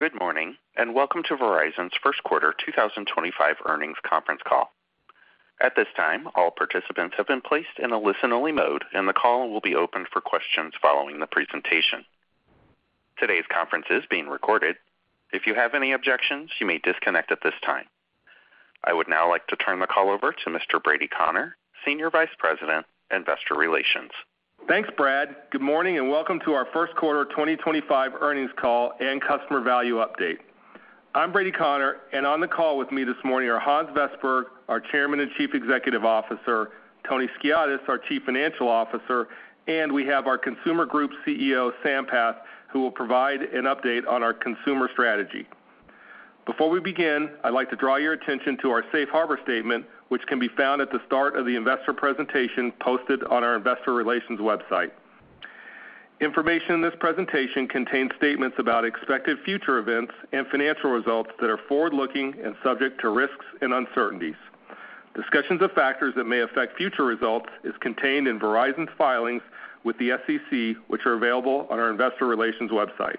Good morning and welcome to Verizon's first quarter 2025 earnings conference call. At this time, all participants have been placed in a listen-only mode, and the call will be open for questions following the presentation. Today's conference is being recorded. If you have any objections, you may disconnect at this time. I would now like to turn the call over to Mr. Brady Connor, Senior Vice President, Investor Relations. Thanks, Brad. Good morning and welcome to our first quarter 2025 earnings call and customer value update. I'm Brady Connor, and on the call with me this morning are Hans Vestberg, our Chairman and Chief Executive Officer, Tony Skiadas, our Chief Financial Officer, and we have our Consumer Group CEO, Sampath, who will provide an update on our consumer strategy. Before we begin, I'd like to draw your attention to our Safe Harbor statement, which can be found at the start of the investor presentation posted on our Investor Relations website. Information in this presentation contains statements about expected future events and financial results that are forward-looking and subject to risks and uncertainties. Discussions of factors that may affect future results are contained in Verizon's filings with the SEC, which are available on our Investor Relations website.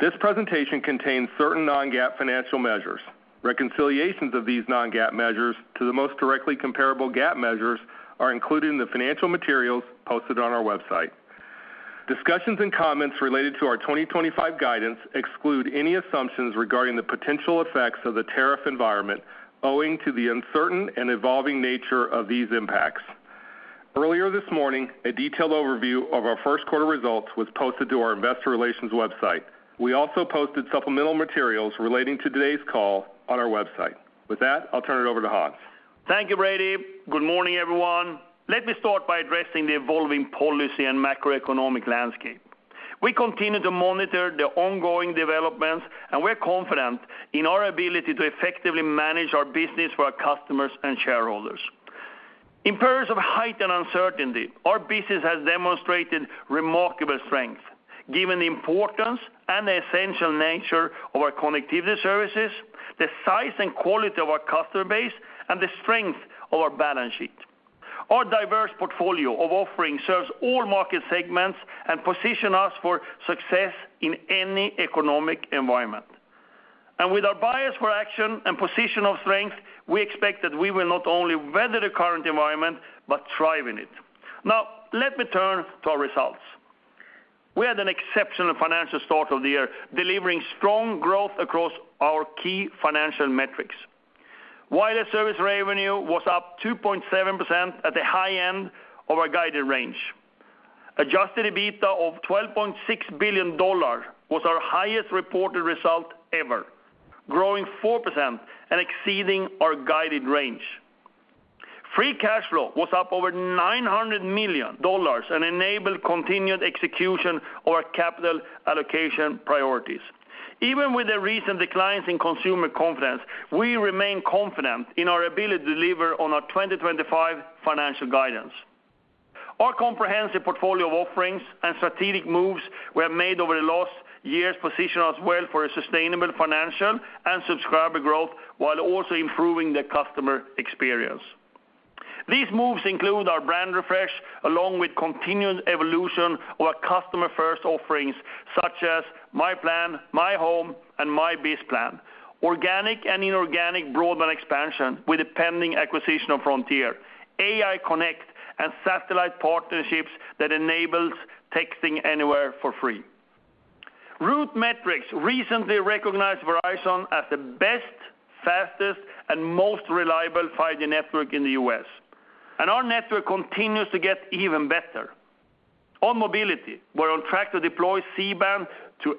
This presentation contains certain non-GAAP financial measures. Reconciliations of these non-GAAP measures to the most directly comparable GAAP measures are included in the financial materials posted on our website. Discussions and comments related to our 2025 guidance exclude any assumptions regarding the potential effects of the tariff environment, owing to the uncertain and evolving nature of these impacts. Earlier this morning, a detailed overview of our first quarter results was posted to our Investor Relations website. We also posted supplemental materials relating to today's call on our website. With that, I'll turn it over to Hans. Thank you, Brady. Good morning, everyone. Let me start by addressing the evolving policy and macroeconomic landscape. We continue to monitor the ongoing developments, and we're confident in our ability to effectively manage our business for our customers and shareholders. In periods of heightened uncertainty, our business has demonstrated remarkable strength, given the importance and the essential nature of our connectivity services, the size and quality of our customer base, and the strength of our balance sheet. Our diverse portfolio of offerings serves all market segments and positions us for success in any economic environment. With our bias for action and position of strength, we expect that we will not only weather the current environment but thrive in it. Now, let me turn to our results. We had an exceptional financial start of the year, delivering strong growth across our key financial metrics. Wireless service revenue was up 2.7% at the high end of our guided range. Adjusted EBITDA of $12.6 billion was our highest reported result ever, growing 4% and exceeding our guided range. Free cash flow was up over $900 million and enabled continued execution of our capital allocation priorities. Even with the recent declines in consumer confidence, we remain confident in our ability to deliver on our 2025 financial guidance. Our comprehensive portfolio of offerings and strategic moves we have made over the last years position us well for a sustainable financial and subscriber growth while also improving the customer experience. These moves include our brand refresh, along with continued evolution of our customer-first offerings such as myPlan, myHome, and My Biz Plan, organic and inorganic broadband expansion with a pending acquisition of Frontier, AI Connect, and satellite partnerships that enable texting anywhere for free. RootMetrics recently recognized Verizon as the best, fastest, and most reliable 5G network in the U.S., and our network continues to get even better. On mobility, we're on track to deploy C-Band to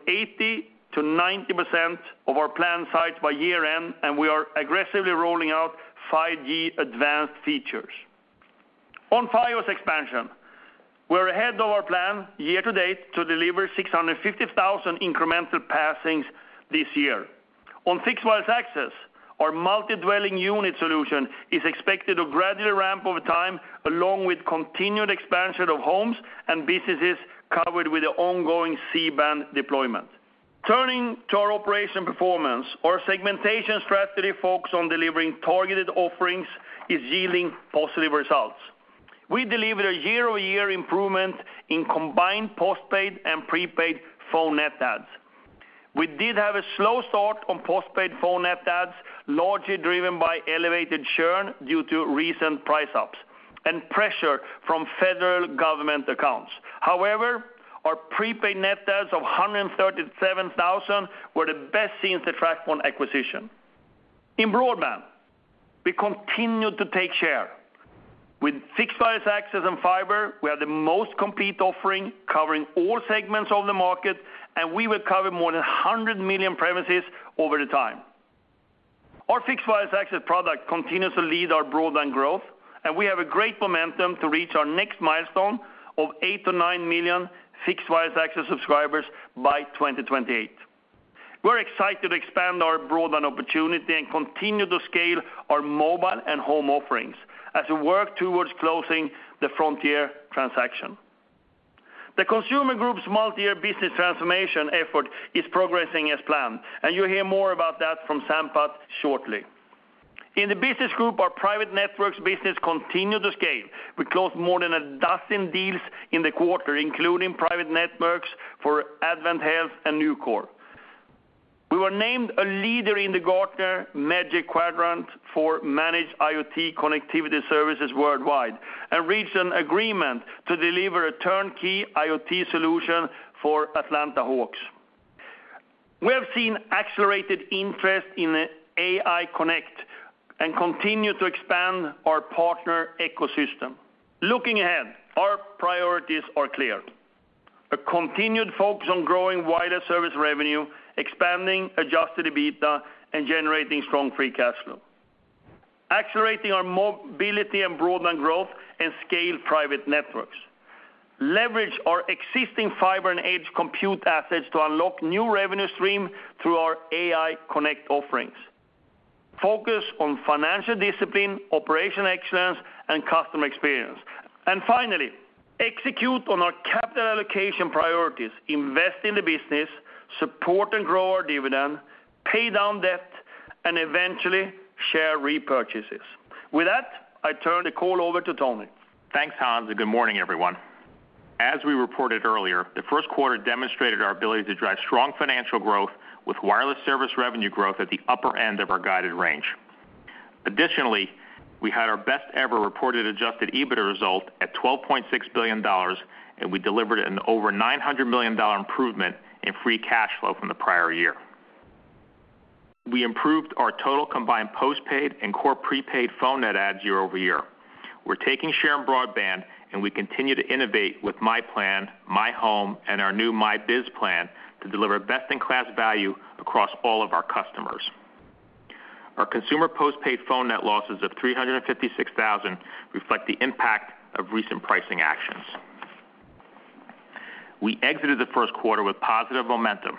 80%-90% of our planned sites by year-end, and we are aggressively rolling out 5G Advanced features. On fiber expansion, we're ahead of our plan year-to-date to deliver 650,000 incremental passings this year. On fixed wireless access, our multi-dwelling unit solution is expected to gradually ramp over time, along with continued expansion of homes and businesses covered with the ongoing C-Band deployment. Turning to our operational performance, our segmentation strategy focused on delivering targeted offerings is yielding positive results. We delivered a year-over-year improvement in combined postpaid and prepaid phone net adds. We did have a slow start on postpaid phone net adds, largely driven by elevated churn due to recent price ups and pressure from federal government accounts. However, our prepaid net adds of 137,000 were the best seen to track on acquisition. In broadband, we continue to take share. With fixed wireless access and fiber, we are the most complete offering covering all segments of the market, and we will cover more than 100 million premises over time. Our fixed wireless access product continues to lead our broadband growth, and we have great momentum to reach our next milestone of 8-9 million fixed wireless access subscribers by 2028. We're excited to expand our broadband opportunity and continue to scale our mobile and home offerings as we work towards closing the Frontier transaction. The Consumer Group's multi-year business transformation effort is progressing as planned, and you'll hear more about that from Sampath shortly. In the Business Group, our private networks business continued to scale. We closed more than a dozen deals in the quarter, including private networks for AdventHealth and Nucor. We were named a leader in the Gartner Magic Quadrant for managed IoT connectivity services worldwide and reached an agreement to deliver a turnkey IoT solution for Atlanta Hawks. We have seen accelerated interest in AI Connect and continue to expand our partner ecosystem. Looking ahead, our priorities are clear: a continued focus on growing wireless service revenue, expanding adjusted EBITDA, and generating strong free cash flow, accelerating our mobility and broadband growth, and scaled private networks. Leverage our existing fiber and edge compute assets to unlock new revenue streams through our AI Connect offerings. Focus on financial discipline, operational excellence, and customer experience. Finally, execute on our capital allocation priorities: invest in the business, support and grow our dividend, pay down debt, and eventually share repurchases. With that, I turn the call over to Tony. Thanks, Hans, and good morning, everyone. As we reported earlier, the first quarter demonstrated our ability to drive strong financial growth with wireless service revenue growth at the upper end of our guided range. Additionally, we had our best-ever reported adjusted EBITDA result at $12.6 billion, and we delivered an over $900 million improvement in free cash flow from the prior year. We improved our total combined postpaid and core prepaid phone net adds year-over-year. We're taking share in broadband, and we continue to innovate with myPlan, myHome, and our new My Biz Plan to deliver best-in-class value across all of our customers. Our consumer postpaid phone net losses of 356,000 reflect the impact of recent pricing actions. We exited the first quarter with positive momentum.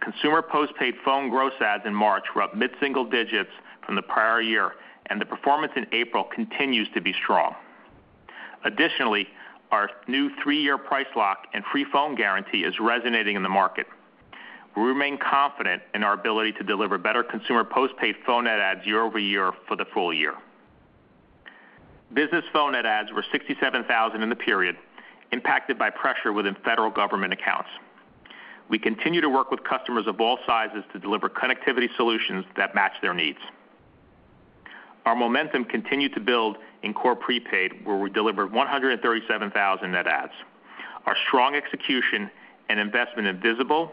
Consumer postpaid phone gross adds in March were up mid-single digits from the prior year, and the performance in April continues to be strong. Additionally, our new Three-Year Price Lock and Free Phone Guarantee is resonating in the market. We remain confident in our ability to deliver better consumer postpaid phone net adds year-over-year for the full year. Business phone net adds were 67,000 in the period, impacted by pressure within federal government accounts. We continue to work with customers of all sizes to deliver connectivity solutions that match their needs. Our momentum continued to build in core prepaid, where we delivered 137,000 net adds. Our strong execution and investment in Visible,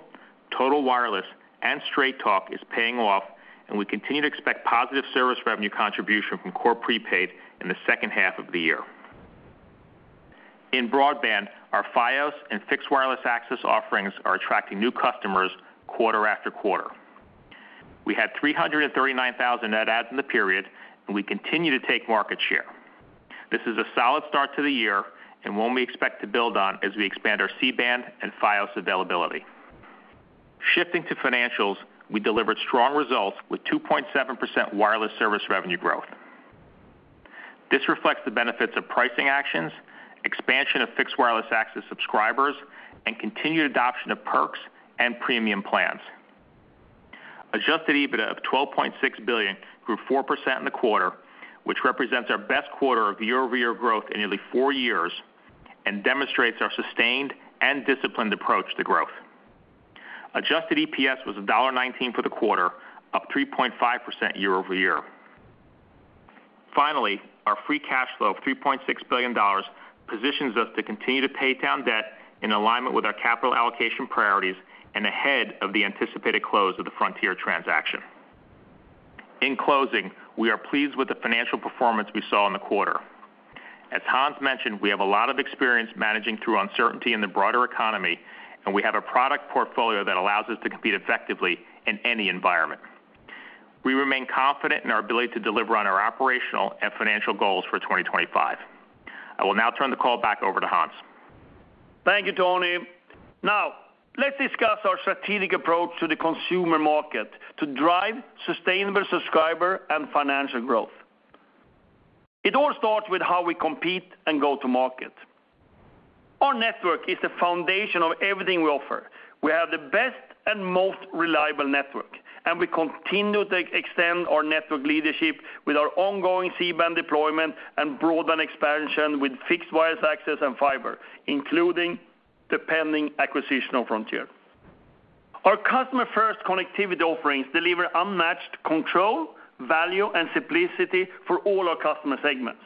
Total Wireless, and Straight Talk is paying off, and we continue to expect positive service revenue contribution from core prepaid in the second half of the year. In broadband, our fiber and fixed wireless access offerings are attracting new customers quarter after quarter. We had 339,000 net adds in the period, and we continue to take market share. This is a solid start to the year and one we expect to build on as we expand our C-Band and fiber availability. Shifting to financials, we delivered strong results with 2.7% wireless service revenue growth. This reflects the benefits of pricing actions, expansion of fixed wireless access subscribers, and continued adoption of perks and premium plans. Adjusted EBITDA of $12.6 billion grew 4% in the quarter, which represents our best quarter of year-over-year growth in nearly four years and demonstrates our sustained and disciplined approach to growth. Adjusted EPS was $1.19 for the quarter, up 3.5% year-over-year. Finally, our free cash flow of $3.6 billion positions us to continue to pay down debt in alignment with our capital allocation priorities and ahead of the anticipated close of the Frontier transaction. In closing, we are pleased with the financial performance we saw in the quarter. As Hans mentioned, we have a lot of experience managing through uncertainty in the broader economy, and we have a product portfolio that allows us to compete effectively in any environment. We remain confident in our ability to deliver on our operational and financial goals for 2025. I will now turn the call back over to Hans. Thank you, Tony. Now, let's discuss our strategic approach to the consumer market to drive sustainable subscriber and financial growth. It all starts with how we compete and go to market. Our network is the foundation of everything we offer. We have the best and most reliable network, and we continue to extend our network leadership with our ongoing C-Band deployment and broadband expansion with fixed wireless access and fiber, including the pending acquisition of Frontier. Our customer-first connectivity offerings deliver unmatched control, value, and simplicity for all our customer segments.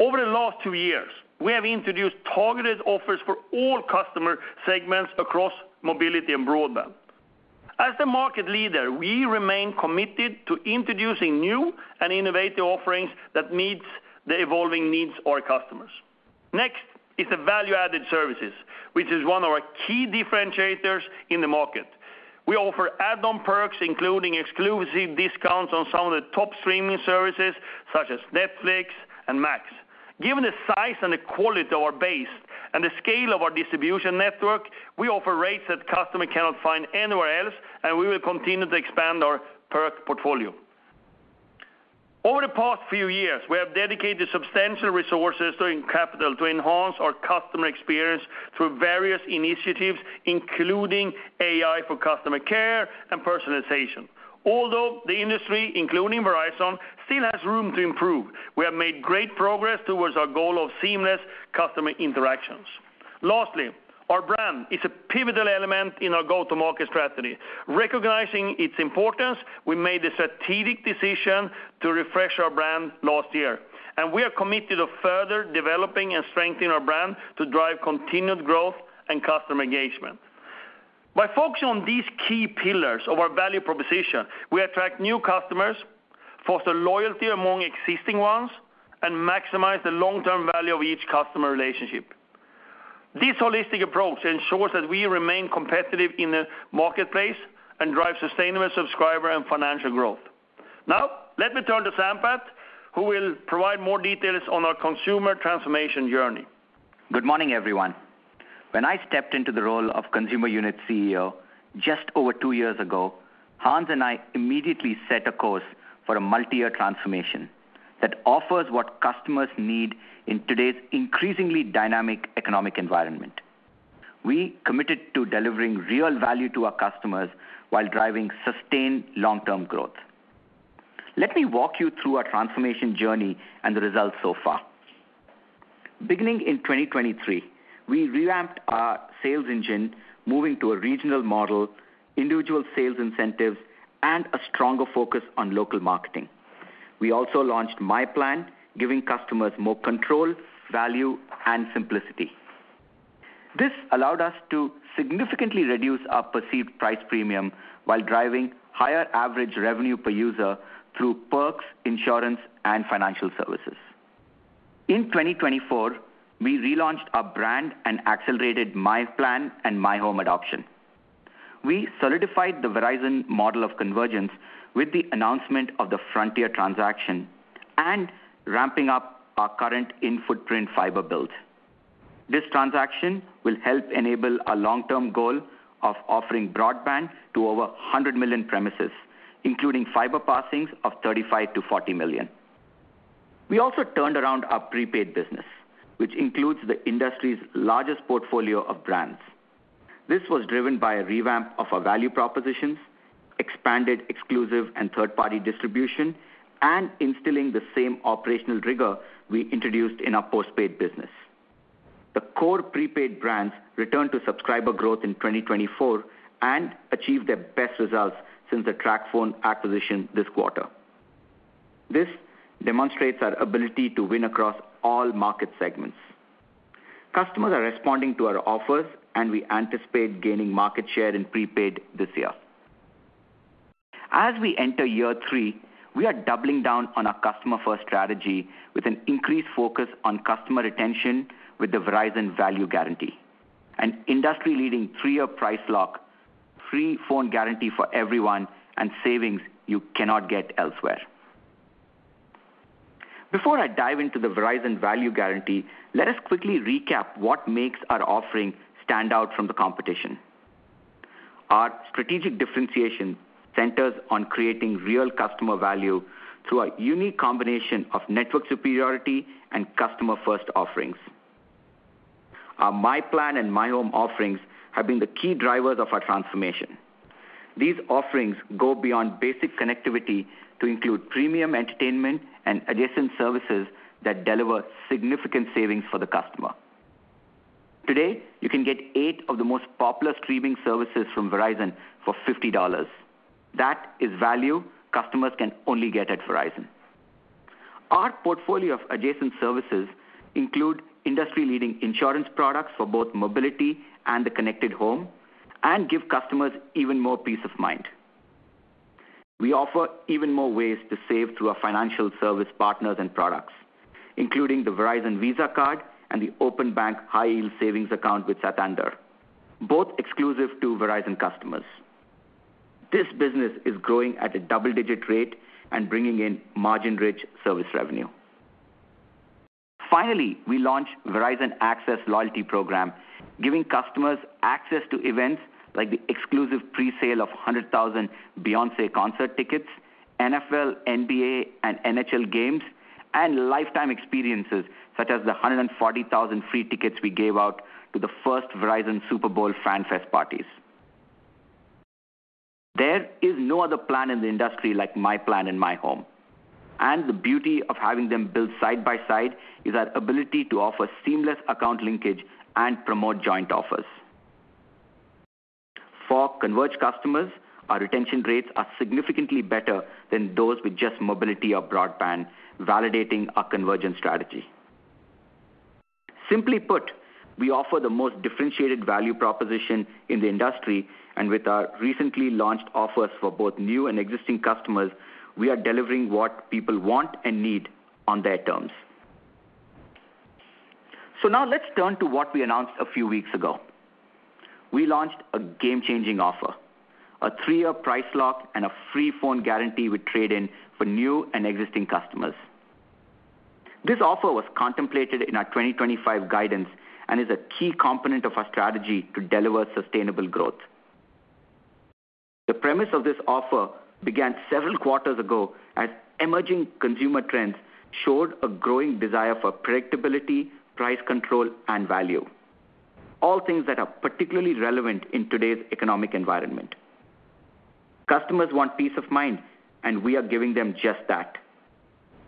Over the last two years, we have introduced targeted offers for all customer segments across mobility and broadband. As the market leader, we remain committed to introducing new and innovative offerings that meet the evolving needs of our customers. Next is the value-added services, which is one of our key differentiators in the market. We offer add-on perks, including exclusive discounts on some of the top streaming services such as Netflix and Max. Given the size and the quality of our base and the scale of our distribution network, we offer rates that customers cannot find anywhere else, and we will continue to expand our perk portfolio. Over the past few years, we have dedicated substantial resources and capital to enhance our customer experience through various initiatives, including AI for customer care and personalization. Although the industry, including Verizon, still has room to improve, we have made great progress towards our goal of seamless customer interactions. Lastly, our brand is a pivotal element in our go-to-market strategy. Recognizing its importance, we made the strategic decision to refresh our brand last year, and we are committed to further developing and strengthening our brand to drive continued growth and customer engagement. By focusing on these key pillars of our value proposition, we attract new customers, foster loyalty among existing ones, and maximize the long-term value of each customer relationship. This holistic approach ensures that we remain competitive in the marketplace and drive sustainable subscriber and financial growth. Now, let me turn to Sampath, who will provide more details on our consumer transformation journey. Good morning, everyone. When I stepped into the role of Consumer Unit CEO just over two years ago, Hans and I immediately set a course for a multi-year transformation that offers what customers need in today's increasingly dynamic economic environment. We committed to delivering real value to our customers while driving sustained long-term growth. Let me walk you through our transformation journey and the results so far. Beginning in 2023, we revamped our sales engine, moving to a regional model, individual sales incentives, and a stronger focus on local marketing. We also launched myPlan, giving customers more control, value, and simplicity. This allowed us to significantly reduce our perceived price premium while driving higher average revenue per user through perks, insurance, and financial services. In 2024, we relaunched our brand and accelerated myPlan and myHome adoption. We solidified the Verizon model of convergence with the announcement of the Frontier transaction and ramping up our current in-footprint fiber build. This transaction will help enable our long-term goal of offering broadband to over 100 million premises, including fiber passings of 35-40 million. We also turned around our prepaid business, which includes the industry's largest portfolio of brands. This was driven by a revamp of our value propositions, expanded exclusive and third-party distribution, and instilling the same operational rigor we introduced in our postpaid business. The core prepaid brands returned to subscriber growth in 2024 and achieved their best results since the TracFone acquisition this quarter. This demonstrates our ability to win across all market segments. Customers are responding to our offers, and we anticipate gaining market share in prepaid this year. As we enter year three, we are doubling down on our customer-first strategy with an increased focus on customer retention with the Verizon Value Guarantee: an industry-leading three-year price lock, Free Phone Guarantee for everyone, and savings you cannot get elsewhere. Before I dive into the Verizon Value Guarantee, let us quickly recap what makes our offering stand out from the competition. Our strategic differentiation centers on creating real customer value through a unique combination of network superiority and customer-first offerings. Our myPlan and myHome offerings have been the key drivers of our transformation. These offerings go beyond basic connectivity to include premium entertainment and adjacent services that deliver significant savings for the customer. Today, you can get eight of the most popular streaming services from Verizon for $50. That is value customers can only get at Verizon. Our portfolio of adjacent services includes industry-leading insurance products for both mobility and the connected home and give customers even more peace of mind. We offer even more ways to save through our financial service partners and products, including the Verizon Visa Card and the Openbank High Yield Savings Account with Santander, both exclusive to Verizon customers. This business is growing at a double-digit rate and bringing in margin-rich service revenue. Finally, we launched the Verizon Access Loyalty Program, giving customers access to events like the exclusive presale of 100,000 Beyoncé concert tickets, NFL, NBA, and NHL games, and lifetime experiences such as the 140,000 free tickets we gave out to the first Verizon Super Bowl fan fest parties. There is no other plan in the industry like myPlan and myHome, and the beauty of having them built side by side is our ability to offer seamless account linkage and promote joint offers. For converged customers, our retention rates are significantly better than those with just mobility or broadband, validating our convergence strategy. Simply put, we offer the most differentiated value proposition in the industry, and with our recently launched offers for both new and existing customers, we are delivering what people want and need on their terms. Now let's turn to what we announced a few weeks ago. We launched a game-changing offer: a three-year price lock and a Free Phone Guarantee with trade-in for new and existing customers. This offer was contemplated in our 2025 guidance and is a key component of our strategy to deliver sustainable growth. The premise of this offer began several quarters ago as emerging consumer trends showed a growing desire for predictability, price control, and value—all things that are particularly relevant in today's economic environment. Customers want peace of mind, and we are giving them just that.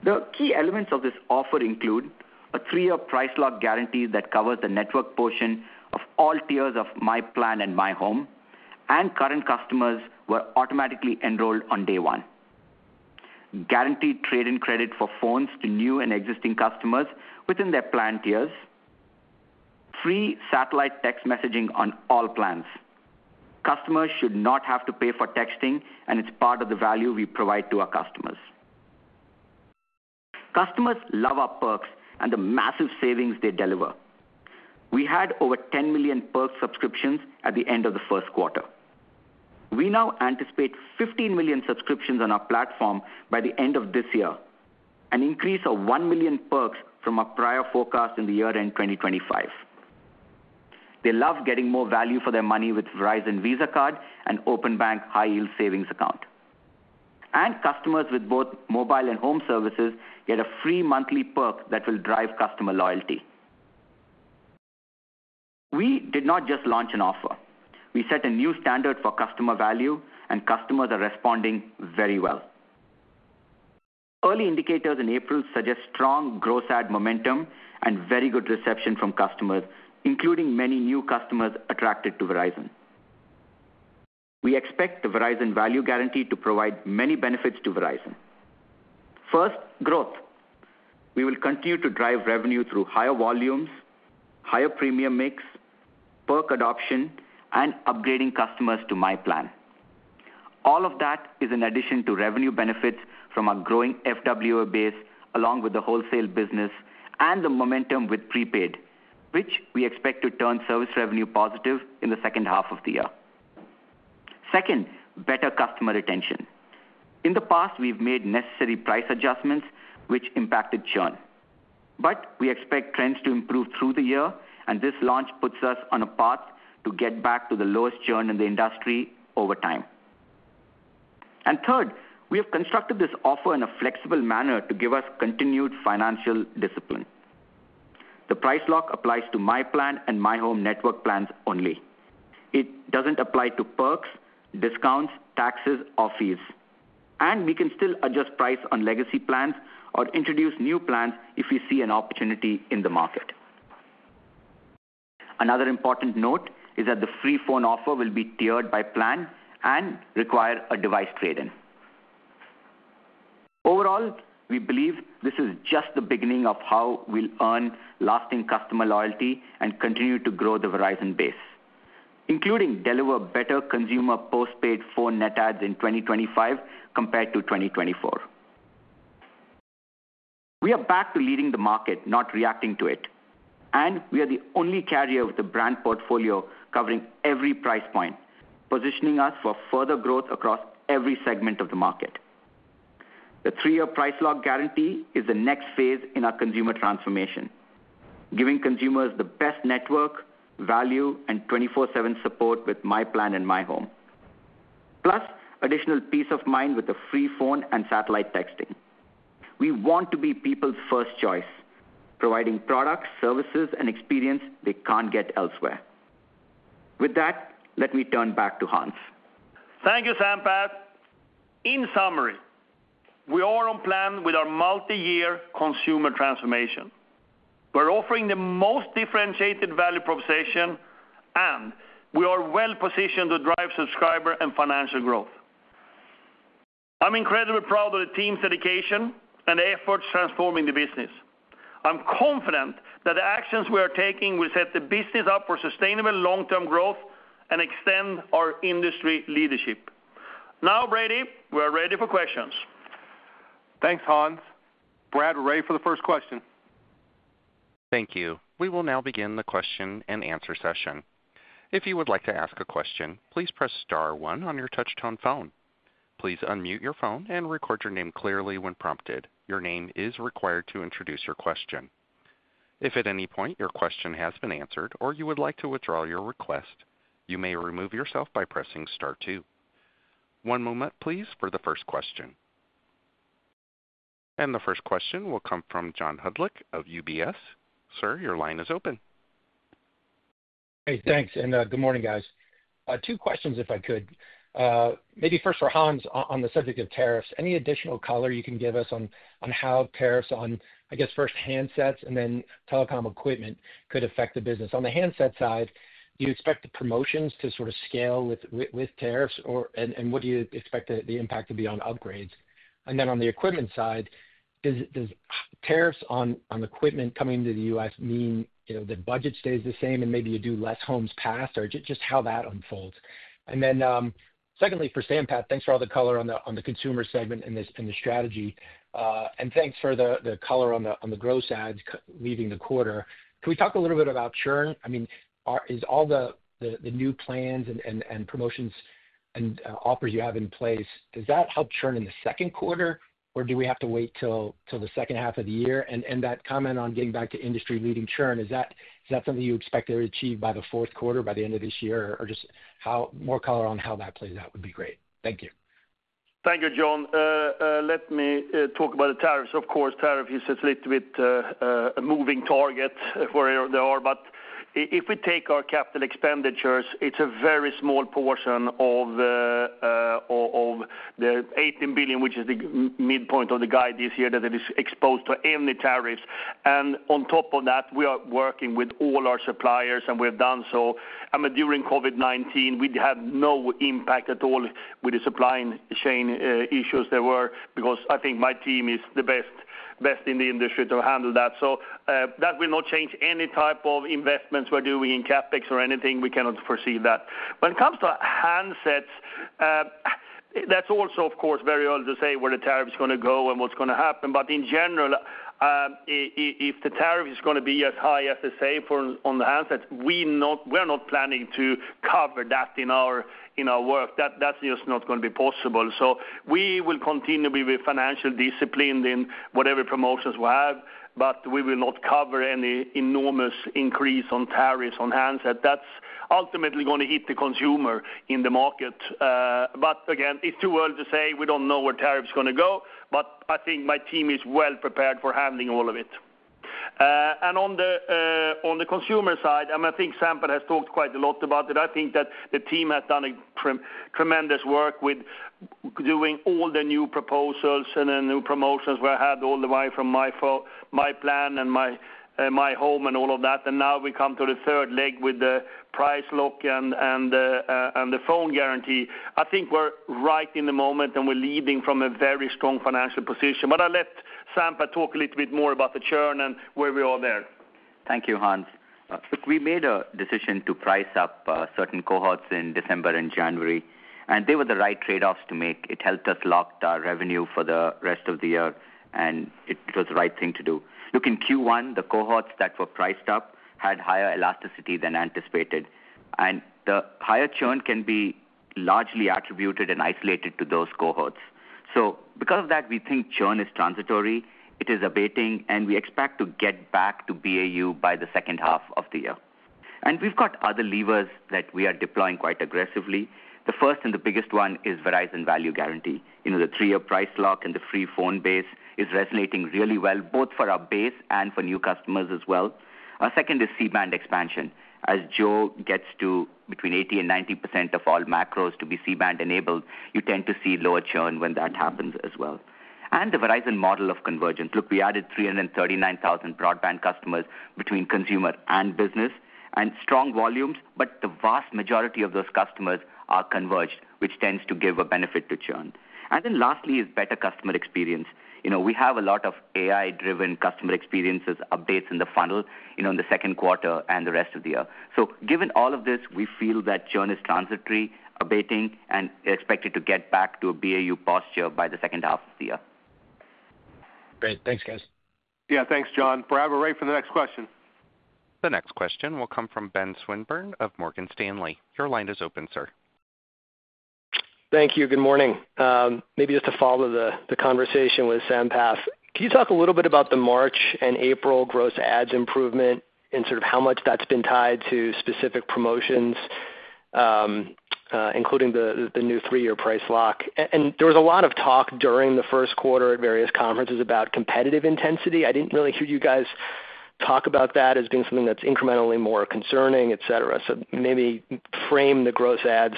The key elements of this offer include a three-year price lock guarantee that covers the network portion of all tiers of myPlan and myHome, and current customers were automatically enrolled on day one. Guaranteed trade-in credit for phones to new and existing customers within their plan tiers. Free satellite text messaging on all plans. Customers should not have to pay for texting, and it's part of the value we provide to our customers. Customers love our perks and the massive savings they deliver. We had over 10 million perks subscriptions at the end of the first quarter. We now anticipate 15 million subscriptions on our platform by the end of this year, an increase of 1 million perks from our prior forecast in the year-end 2025. They love getting more value for their money with Verizon Visa Card and Openbank High Yield Savings Account. Customers with both mobile and home services get a free monthly perk that will drive customer loyalty. We did not just launch an offer. We set a new standard for customer value, and customers are responding very well. Early indicators in April suggest strong gross ad momentum and very good reception from customers, including many new customers attracted to Verizon. We expect the Verizon Value Guarantee to provide many benefits to Verizon. First, growth. We will continue to drive revenue through higher volumes, higher premium mix, perk adoption, and upgrading customers to myPlan. All of that is in addition to revenue benefits from our growing FWA base, along with the wholesale business and the momentum with prepaid, which we expect to turn service revenue positive in the second half of the year. Second, better customer retention. In the past, we've made necessary price adjustments, which impacted churn. We expect trends to improve through the year, and this launch puts us on a path to get back to the lowest churn in the industry over time. Third, we have constructed this offer in a flexible manner to give us continued financial discipline. The price lock applies to myPlan and myHome network plans only. It doesn't apply to perks, discounts, taxes, or fees. We can still adjust price on legacy plans or introduce new plans if we see an opportunity in the market. Another important note is that the free phone offer will be tiered by plan and require a device trade-in. Overall, we believe this is just the beginning of how we'll earn lasting customer loyalty and continue to grow the Verizon base, including deliver better consumer postpaid phone net adds in 2025 compared to 2024. We are back to leading the market, not reacting to it. We are the only carrier of the brand portfolio covering every price point, positioning us for further growth across every segment of the market. The three-year price lock guarantee is the next phase in our consumer transformation, giving consumers the best network, value, and 24/7 support with myPlan and myHome, plus additional peace of mind with the free phone and satellite texting. We want to be people's first choice, providing products, services, and experience they can't get elsewhere. With that, let me turn back to Hans. Thank you, Sampath. In summary, we are on plan with our multi-year consumer transformation. We're offering the most differentiated value proposition, and we are well-positioned to drive subscriber and financial growth. I'm incredibly proud of the team's dedication and efforts transforming the business. I'm confident that the actions we are taking will set the business up for sustainable long-term growth and extend our industry leadership. Now, Brady, we are ready for questions. Thanks, Hans. Operator for the first question. Thank you. We will now begin the question and answer session. If you would like to ask a question, please press star one on your touch-tone phone. Please unmute your phone and record your name clearly when prompted. Your name is required to introduce your question. If at any point your question has been answered or you would like to withdraw your request, you may remove yourself by pressing star two. One moment, please, for the first question. The first question will come from John Hodulik of UBS. Sir, your line is open. Hey, thanks. Good morning, guys. Two questions, if I could. Maybe first for Hans on the subject of tariffs. Any additional color you can give us on how tariffs on, I guess, first handsets and then telecom equipment could affect the business? On the handset side, do you expect the promotions to sort of scale with tariffs? What do you expect the impact to be on upgrades? On the equipment side, does tariffs on equipment coming into the U.S. mean the budget stays the same and maybe you do less homes pass? Or is it just how that unfolds? Secondly, for Sampath, thanks for all the color on the consumer segment and the strategy. Thanks for the color on the gross ads leaving the quarter. Can we talk a little bit about churn? I mean, is all the new plans and promotions and offers you have in place, does that help churn in the second quarter? Or do we have to wait till the second half of the year? That comment on getting back to industry-leading churn, is that something you expect to achieve by the fourth quarter, by the end of this year? Just more color on how that plays out would be great. Thank you. Thank you, John. Let me talk about the tariffs. Of course, tariff is a little bit a moving target for the other. If we take our capital expenditures, it's a very small portion of the $18 billion, which is the midpoint of the guide this year that it is exposed to any tariffs. On top of that, we are working with all our suppliers, and we have done so. I mean, during COVID-19, we had no impact at all with the supply chain issues there were because I think my team is the best in the industry to handle that. That will not change any type of investments we're doing in CapEx or anything. We cannot foresee that. When it comes to handsets, that's also, of course, very early to say where the tariff is going to go and what's going to happen. In general, if the tariff is going to be as high as they say on the handsets, we are not planning to cover that in our work. That is just not going to be possible. We will continue to be financially disciplined in whatever promotions we have, but we will not cover any enormous increase on tariffs on handsets. That is ultimately going to hit the consumer in the market. Again, it is too early to say. We do not know where tariffs are going to go, but I think my team is well prepared for handling all of it. On the consumer side, I mean, I think Sampath has talked quite a lot about it. I think that the team has done tremendous work with doing all the new proposals and the new promotions we had all the way from myPlan and myHome and all of that. Now we come to the third leg with the price lock and the phone guarantee. I think we're right in the moment, and we're leading from a very strong financial position. I'll let Sampath talk a little bit more about the churn and where we are there. Thank you, Hans. Look, we made a decision to price up certain cohorts in December and January, and they were the right trade-offs to make. It helped us lock our revenue for the rest of the year, and it was the right thing to do. Looking in Q1, the cohorts that were priced up had higher elasticity than anticipated. The higher churn can be largely attributed and isolated to those cohorts. Because of that, we think churn is transitory. It is abating, and we expect to get back to BAU by the second half of the year. We have other levers that we are deploying quite aggressively. The first and the biggest one is Verizon Value Guarantee. The three-year price lock and the free phone base is resonating really well, both for our base and for new customers as well. Our second is C-Band expansion. As Joe gets to between 80% and 90% of all macros to be C-Band enabled, you tend to see lower churn when that happens as well. The Verizon model of convergence. Look, we added 339,000 broadband customers between consumer and business and strong volumes, but the vast majority of those customers are converged, which tends to give a benefit to churn. Lastly is better customer experience. We have a lot of AI-driven customer experiences updates in the funnel in the second quarter and the rest of the year. Given all of this, we feel that churn is transitory, abating, and expected to get back to a BAU posture by the second half of the year. Great. Thanks, guys. Yeah, thanks, John. Operator will wait for the next question. The next question will come from Ben Swinburne of Morgan Stanley. Your line is open, sir. Thank you. Good morning. Maybe just to follow the conversation with Sampath, can you talk a little bit about the March and April gross ads improvement and sort of how much that's been tied to specific promotions, including the new Three-Year Price Lock? There was a lot of talk during the first quarter at various conferences about competitive intensity. I didn't really hear you guys talk about that as being something that's incrementally more concerning, etc. Maybe frame the gross ads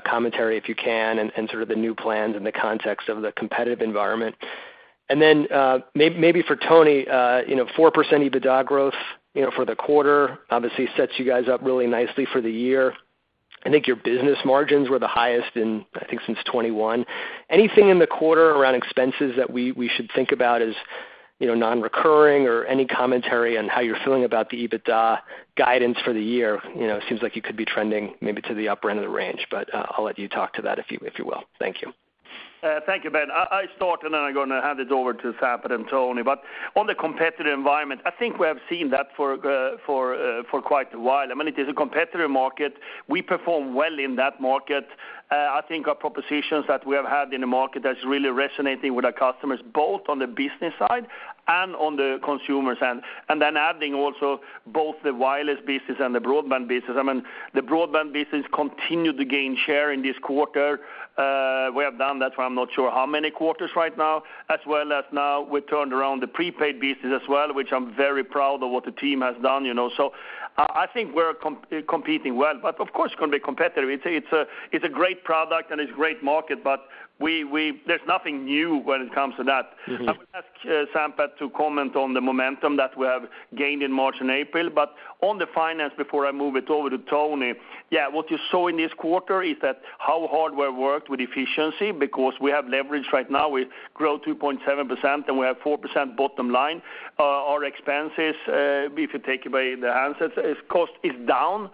commentary if you can and sort of the new plans in the context of the competitive environment. Maybe for Tony, 4% EBITDA growth for the quarter obviously sets you guys up really nicely for the year. I think your business margins were the highest in, I think, since 2021. Anything in the quarter around expenses that we should think about as non-recurring or any commentary on how you're feeling about the EBITDA guidance for the year? It seems like you could be trending maybe to the upper end of the range, but I'll let you talk to that if you will. Thank you. Thank you, Ben. I'll start, and then I'm going to hand it over to Sampath and Tony. On the competitive environment, I think we have seen that for quite a while. I mean, it is a competitive market. We perform well in that market. I think our propositions that we have had in the market are really resonating with our customers, both on the business side and on the consumer side. Adding also both the wireless business and the broadband business. I mean, the broadband business continued to gain share in this quarter. We have done that for, I'm not sure how many quarters right now, as well as now we turned around the prepaid business as well, which I'm very proud of what the team has done. I think we're competing well, of course, it's going to be competitive. It's a great product, and it's a great market, but there's nothing new when it comes to that. I would ask Sampath to comment on the momentum that we have gained in March and April. On the finance, before I move it over to Tony, yeah, what you saw in this quarter is that how hard we worked with efficiency because we have leverage right now. We grow 2.7%, and we have 4% bottom line. Our expenses, if you take away the handsets, cost is down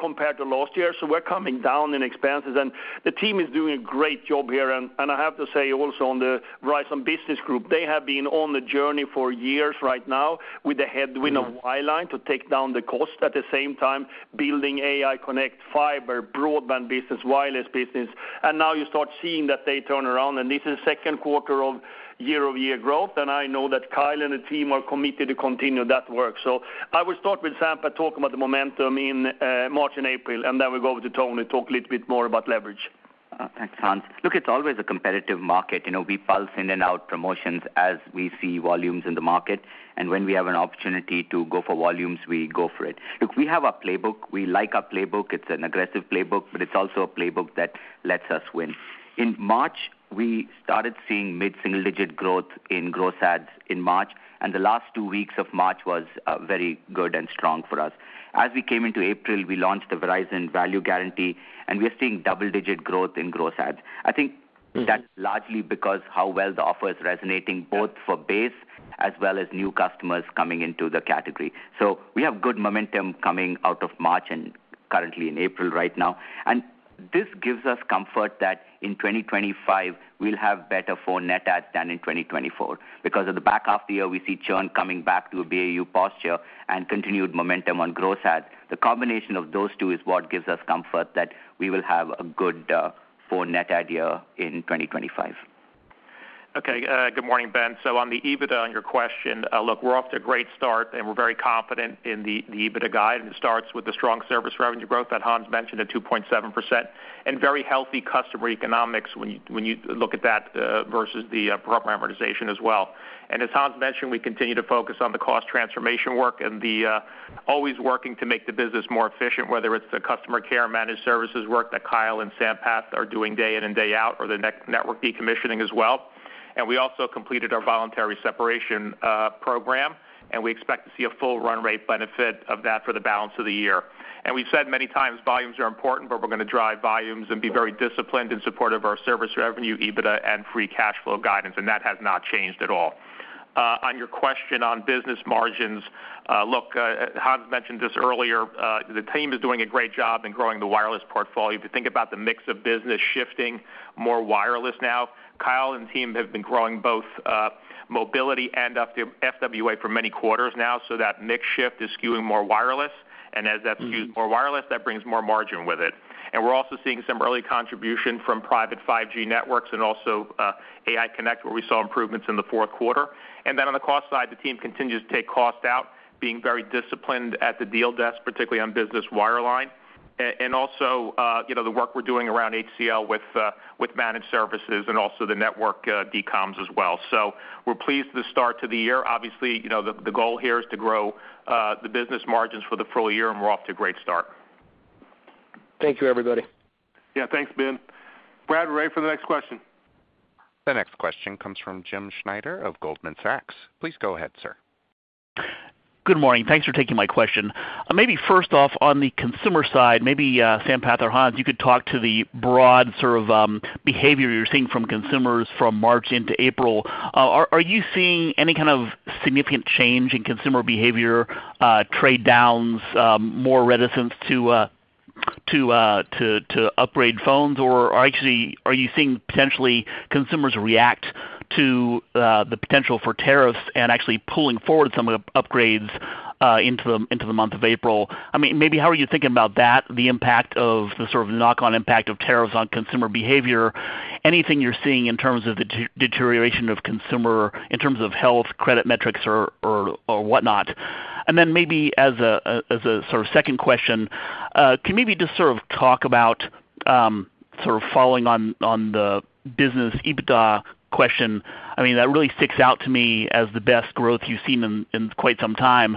compared to last year. We're coming down in expenses. The team is doing a great job here. I have to say also on the Verizon Business Group, they have been on the journey for years right now with the headwind of wireline to take down the cost, at the same time building AI Connect, fiber, broadband business, wireless business. You start seeing that they turn around, and this is the second quarter of year-over-year growth. I know that Kyle and the team are committed to continue that work. I will start with Sampath talking about the momentum in March and April, and then we'll go over to Tony and talk a little bit more about leverage. Thanks, Hans. Look, it's always a competitive market. We pulse in and out promotions as we see volumes in the market. When we have an opportunity to go for volumes, we go for it. Look, we have a playbook. We like our playbook. It's an aggressive playbook, but it's also a playbook that lets us win. In March, we started seeing mid-single-digit growth in gross ads in March. The last two weeks of March was very good and strong for us. As we came into April, we launched the Verizon Value Guarantee, and we are seeing double-digit growth in gross ads. I think that's largely because of how well the offer is resonating both for base as well as new customers coming into the category. We have good momentum coming out of March and currently in April right now. This gives us comfort that in 2025, we'll have better phone net adds than in 2024. Because in the back half of the year, we see churn coming back to a BAU posture and continued momentum on gross adds. The combination of those two is what gives us comfort that we will have a good phone net add in 2025. Okay. Good morning, Ben. On the EBITDA, on your question, look, we're off to a great start, and we're very confident in the EBITDA guide. It starts with the strong service revenue growth that Hans mentioned at 2.7% and very healthy customer economics when you look at that versus the program organization as well. As Hans mentioned, we continue to focus on the cost transformation work and always working to make the business more efficient, whether it's the customer care and managed services work that Kyle and Sampath are doing day in and day out or the network decommissioning as well. We also completed our voluntary separation program, and we expect to see a full run rate benefit of that for the balance of the year. We have said many times volumes are important, but we are going to drive volumes and be very disciplined in support of our service revenue, EBITDA, and free cash flow guidance. That has not changed at all. On your question on business margins, Hans mentioned this earlier. The team is doing a great job in growing the wireless portfolio. If you think about the mix of business shifting more wireless now, Kyle and team have been growing both mobility and FWA for many quarters now. That mix shift is skewing more wireless. As that skews more wireless, that brings more margin with it. We are also seeing some early contribution from private 5G networks and also AI Connect, where we saw improvements in the fourth quarter. On the cost side, the team continues to take cost out, being very disciplined at the deal desk, particularly on business wireline. The work we are doing around HCL with managed services and also the network decoms as well is ongoing. We are pleased with the start to the year. Obviously, the goal here is to grow the business margins for the full year, and we are off to a great start. Thank you, everybody. Yeah, thanks, Ben. Operator will wait for the next question. The next question comes from Jim Schneider of Goldman Sachs. Please go ahead, sir. Good morning. Thanks for taking my question. Maybe first off, on the consumer side, maybe Sampath or Hans, you could talk to the broad sort of behavior you're seeing from consumers from March into April. Are you seeing any kind of significant change in consumer behavior, trade-downs, more reticence to upgrade phones? I mean, actually, are you seeing potentially consumers react to the potential for tariffs and actually pulling forward some of the upgrades into the month of April? I mean, maybe how are you thinking about that, the impact of the sort of knock-on impact of tariffs on consumer behavior? Anything you're seeing in terms of the deterioration of consumer in terms of health, credit metrics, or whatnot? Maybe as a sort of second question, can you maybe just sort of talk about sort of following on the business EBITDA question? I mean, that really sticks out to me as the best growth you've seen in quite some time.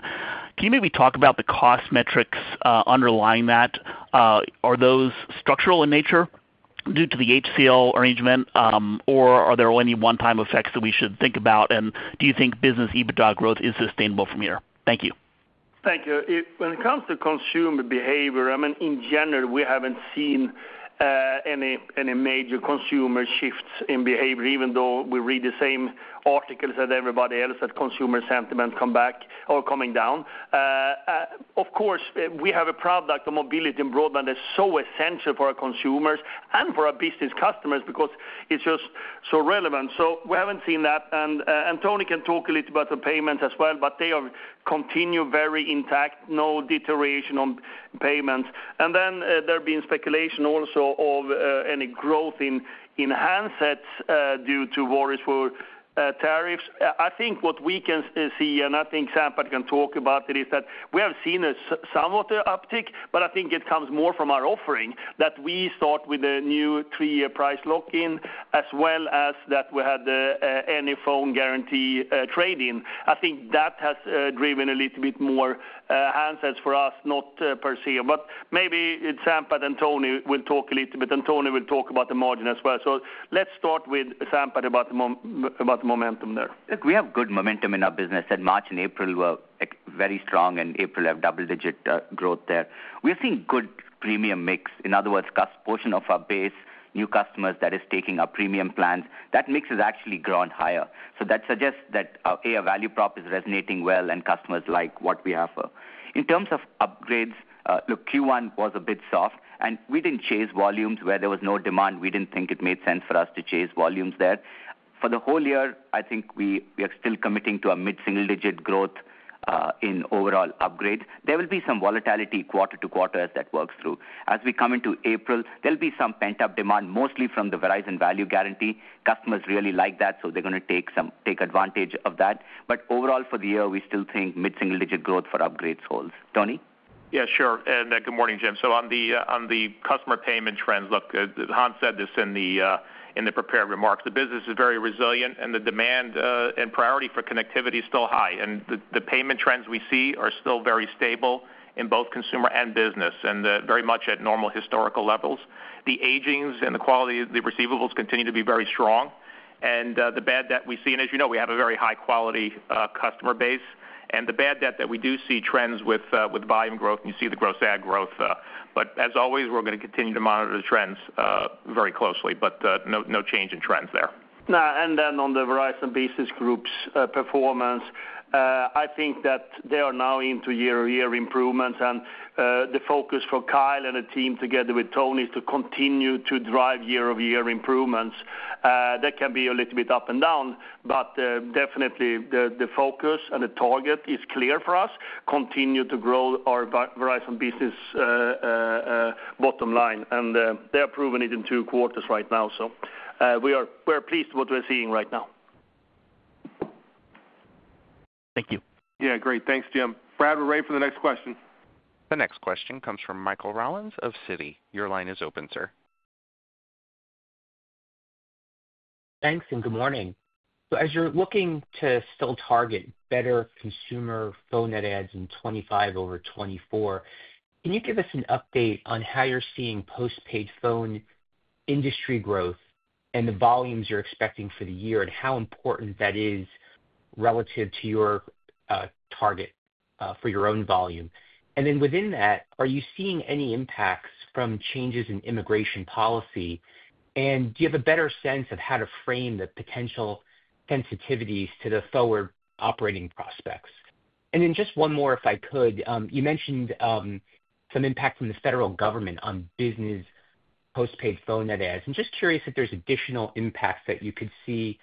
Can you maybe talk about the cost metrics underlying that? Are those structural in nature due to the HCL arrangement, or are there any one-time effects that we should think about? Do you think business EBITDA growth is sustainable from here? Thank you. Thank you. When it comes to consumer behavior, I mean, in general, we haven't seen any major consumer shifts in behavior, even though we read the same articles that everybody else that consumer sentiment come back or coming down. Of course, we have a product of mobility and broadband that's so essential for our consumers and for our business customers because it's just so relevant. We haven't seen that. Tony can talk a little about the payments as well, but they continue very intact. No deterioration on payments. There have been speculations also of any growth in handsets due to worries for tariffs. I think what we can see, and I think Sampath can talk about it, is that we have seen some of the uptick, but I think it comes more from our offering that we start with a new three-year price lock-in as well as that we had the any phone guarantee trade-in. I think that has driven a little bit more handsets for us, not per se. Maybe Sampath and Tony will talk a little bit, and Tony will talk about the margin as well. Let's start with Sampath about the momentum there. Look, we have good momentum in our business. In March, in April, we were very strong, and April had double-digit growth there. We are seeing good premium mix. In other words, customers' portion of our base, new customers that are taking our premium plans, that mix has actually grown higher. That suggests that our AI value prop is resonating well, and customers like what we offer. In terms of upgrades, look, Q1 was a bit soft, and we did not chase volumes where there was no demand. We did not think it made sense for us to chase volumes there. For the whole year, I think we are still committing to a mid-single-digit growth in overall upgrade. There will be some volatility quarter to quarter as that works through. As we come into April, there will be some pent-up demand, mostly from the Verizon Value Guarantee. Customers really like that, so they're going to take advantage of that. Overall, for the year, we still think mid-single-digit growth for upgrades holds. Tony? Yeah, sure. Good morning, Jim. On the customer payment trends, Hans said this in the prepared remarks. The business is very resilient, and the demand and priority for connectivity is still high. The payment trends we see are still very stable in both consumer and business and very much at normal historical levels. The agings and the quality of the receivables continue to be very strong. The bad debt we see, and as you know, we have a very high-quality customer base. The bad debt that we do see trends with volume growth, and you see the gross ad growth. As always, we're going to continue to monitor the trends very closely, but no change in trends there. The Verizon Business Group's performance, I think that they are now into year-over-year improvements. The focus for Kyle and the team together with Tony is to continue to drive year-over-year improvements. That can be a little bit up and down, but definitely the focus and the target is clear for us: continue to grow our Verizon business bottom line. They are proving it in two quarters right now. We are pleased with what we're seeing right now. Thank you. Yeah, great. Thanks, Jim. Operator will wait for the next question. The next question comes from Michael Rollins of Citi. Your line is open, sir. Thanks, and good morning. As you're looking to still target better consumer phone net adds in 2025 over 2024, can you give us an update on how you're seeing postpaid phone industry growth and the volumes you're expecting for the year and how important that is relative to your target for your own volume? Within that, are you seeing any impacts from changes in immigration policy? Do you have a better sense of how to frame the potential sensitivities to the forward operating prospects? Just one more, if I could. You mentioned some impact from the federal government on business postpaid phone net adds. I'm just curious if there's additional impacts that you could see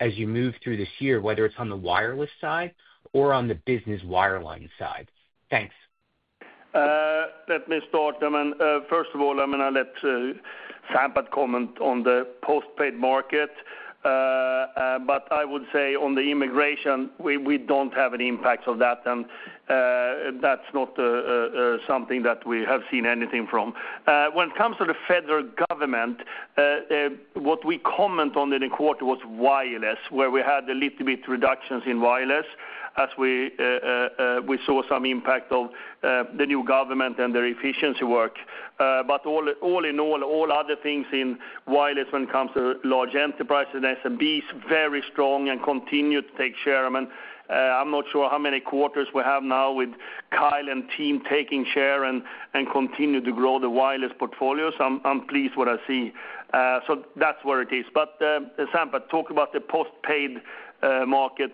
as you move through this year, whether it's on the wireless side or on the business wireline side. Thanks. Let me start. I mean, first of all, I mean, I let Sampath comment on the postpaid market. I would say on the immigration, we don't have any impacts of that, and that's not something that we have seen anything from. When it comes to the federal government, what we comment on in the quarter was wireless, where we had a little bit reductions in wireless as we saw some impact of the new government and their efficiency work. All in all, all other things in wireless when it comes to large enterprises, SMBs, very strong and continue to take share. I mean, I'm not sure how many quarters we have now with Kyle and team taking share and continue to grow the wireless portfolio. I am pleased with what I see. That's where it is. Sampath, talk about the postpaid market,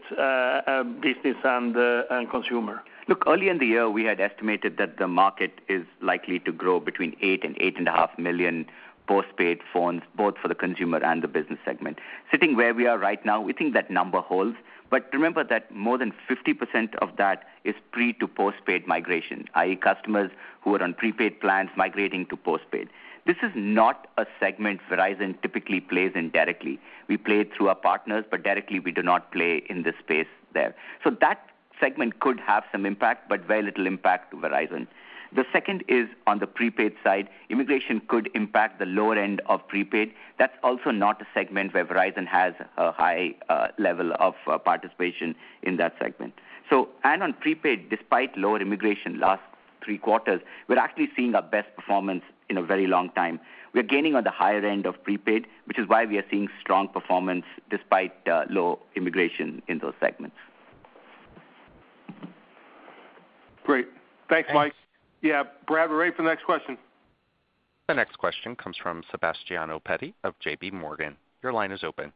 business, and consumer. Look, early in the year, we had estimated that the market is likely to grow between 8 and 8.5 million postpaid phones, both for the consumer and the business segment. Sitting where we are right now, we think that number holds. Remember that more than 50% of that is pre- to postpaid migration, i.e., customers who are on prepaid plans migrating to postpaid. This is not a segment Verizon typically plays in directly. We play through our partners, but directly we do not play in the space there. That segment could have some impact, but very little impact to Verizon. The second is on the prepaid side. Immigration could impact the lower end of prepaid. That is also not a segment where Verizon has a high level of participation in that segment. On prepaid, despite lower immigration last three quarters, we're actually seeing our best performance in a very long time. We are gaining on the higher end of prepaid, which is why we are seeing strong performance despite low immigration in those segments. Great. Thanks, Mike. Yeah, Operator, we'll wait for the next question. The next question comes from Sebastiano Petti of J.P. Morgan. Your line is open.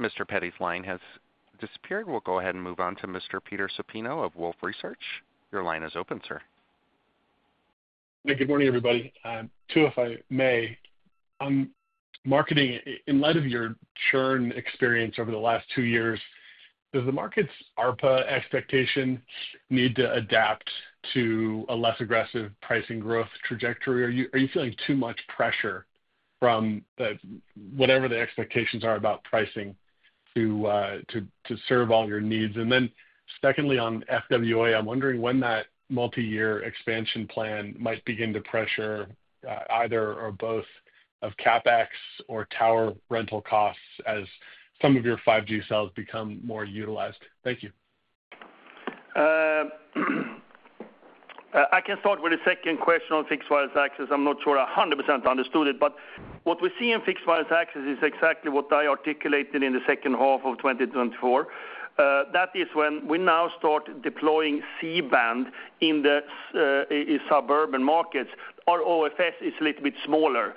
Mr. Petty's line has disappeared. We'll go ahead and move on to Mr. Peter Supino of Wolfe Research. Your line is open, sir. Hi, good morning, everybody. Two, if I may, on marketing, in light of your churn experience over the last two years, does the market's ARPA expectation need to adapt to a less aggressive pricing growth trajectory? Are you feeling too much pressure from whatever the expectations are about pricing to serve all your needs? Secondly, on FWA, I'm wondering when that multi-year expansion plan might begin to pressure either or both of CapEx or tower rental costs as some of your 5G cells become more utilized. Thank you. I can start with the second question on fixed wireless access. I'm not sure I 100% understood it. What we see in fixed wireless access is exactly what I articulated in the second half of 2024. That is when we now start deploying C-Band in the suburban markets. Our OFS is a little bit smaller.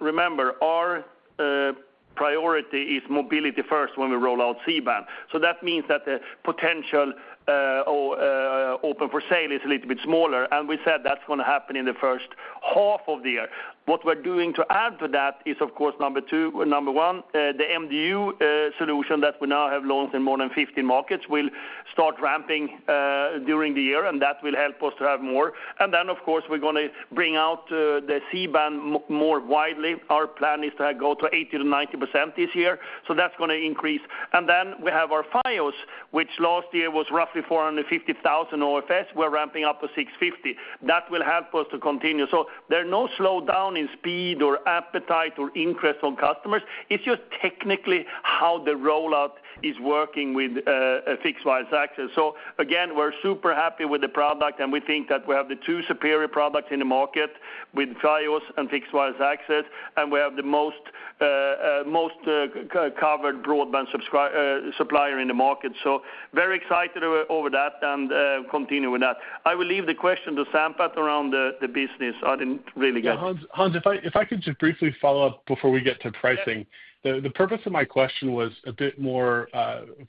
Remember, our priority is mobility first when we roll out C-Band. That means that the potential open for sale is a little bit smaller. We said that's going to happen in the first half of the year. What we're doing to add to that is, of course, number two, number one, the MDU solution that we now have launched in more than 15 markets will start ramping during the year, and that will help us to have more. Of course, we're going to bring out the C-Band more widely. Our plan is to go to 80%-90% this year. That's going to increase. Then we have our Fios, which last year was roughly 450,000 OFS. We're ramping up to 650. That will help us to continue. There's no slowdown in speed or appetite or interest from customers. It's just technically how the rollout is working with fixed wireless access. We're super happy with the product, and we think that we have the two superior products in the market with Fios and fixed wireless access, and we have the most covered broadband supplier in the market. Very excited over that and continue with that. I will leave the question to Sampath around the business. I didn't really get. Yeah, Hans, if I could just briefly follow up before we get to pricing. The purpose of my question was a bit more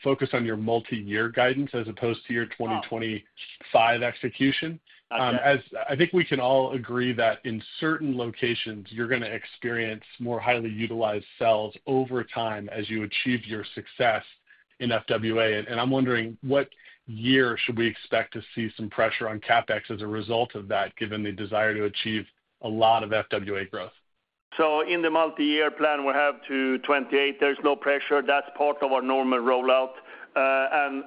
focused on your multi-year guidance as opposed to your 2025 execution. I think we can all agree that in certain locations, you're going to experience more highly utilized cells over time as you achieve your success in FWA. I'm wondering, what year should we expect to see some pressure on CapEx as a result of that, given the desire to achieve a lot of FWA growth? In the multi-year plan, we have to 2028. There's no pressure. That's part of our normal rollout.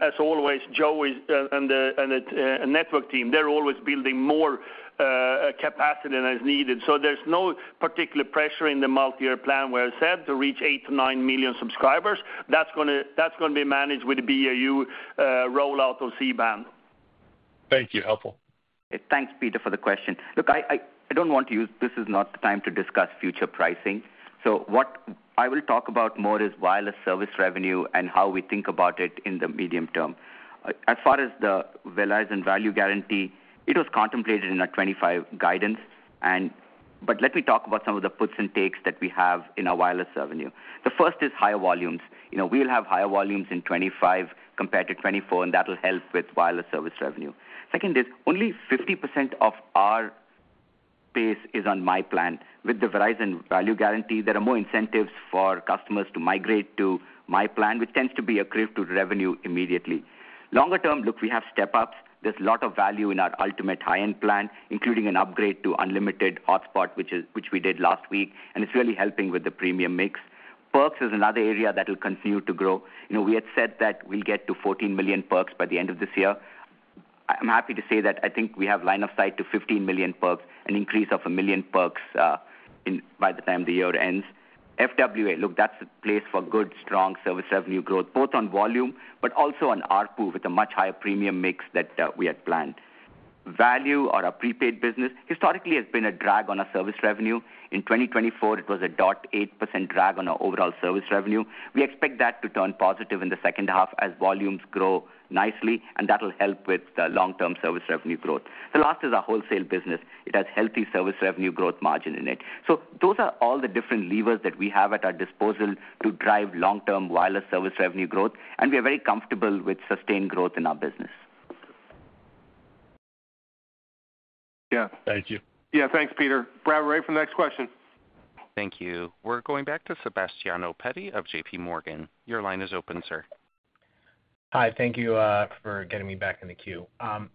As always, Joe and the network team are always building more capacity than is needed. There's no particular pressure in the multi-year plan where it's said to reach 8 million-9 million subscribers. That's going to be managed with the BAU rollout of C-Band. Thank you. Helpful. Thanks, Peter, for the question. Look, I don't want to use this is not the time to discuss future pricing. What I will talk about more is wireless service revenue and how we think about it in the medium term. As far as the Verizon Value Guarantee, it was contemplated in a 2025 guidance. Let me talk about some of the puts and takes that we have in our wireless revenue. The first is higher volumes. We'll have higher volumes in 2025 compared to 2024, and that'll help with wireless service revenue. Second is only 50% of our base is on my plan. With the Verizon Value Guarantee, there are more incentives for customers to migrate to my plan, which tends to be accretive to revenue immediately. Longer term, look, we have step-ups. There's a lot of value in our ultimate high-end plan, including an upgrade to unlimited hotspot, which we did last week, and it's really helping with the premium mix. Perks is another area that will continue to grow. We had said that we'll get to 14 million perks by the end of this year. I'm happy to say that I think we have line of sight to 15 million perks, an increase of a million perks by the time the year ends. FWA, look, that's a place for good, strong service revenue growth, both on volume, but also on ARPU with a much higher premium mix that we had planned. Value or our prepaid business historically has been a drag on our service revenue. In 2024, it was a 0.8% drag on our overall service revenue. We expect that to turn positive in the second half as volumes grow nicely, and that'll help with the long-term service revenue growth. The last is our wholesale business. It has healthy service revenue growth margin in it. Those are all the different levers that we have at our disposal to drive long-term wireless service revenue growth, and we are very comfortable with sustained growth in our business. Yeah. Thank you. Yeah, thanks, Peter. Operator, we'll wait for the next question. Thank you. We're going back to Sebastiano Petty of J.P. Morgan. Your line is open, sir. Hi, thank you for getting me back in the queue.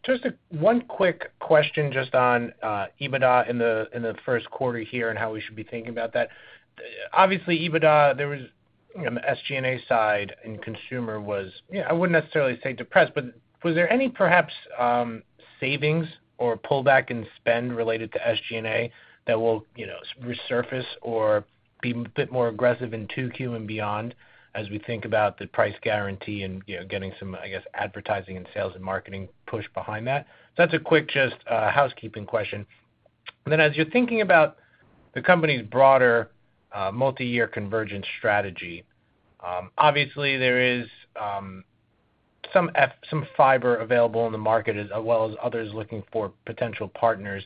Just one quick question just on EBITDA in the first quarter here and how we should be thinking about that. Obviously, EBITDA on the SG&A side and consumer was, yeah, I wouldn't necessarily say depressed, but was there any perhaps savings or pullback in spend related to SG&A that will resurface or be a bit more aggressive in 2Q and beyond as we think about the price guarantee and getting some, I guess, advertising and sales and marketing push behind that? That is a quick just housekeeping question. As you're thinking about the company's broader multi-year convergence strategy, obviously, there is some fiber available in the market as well as others looking for potential partners.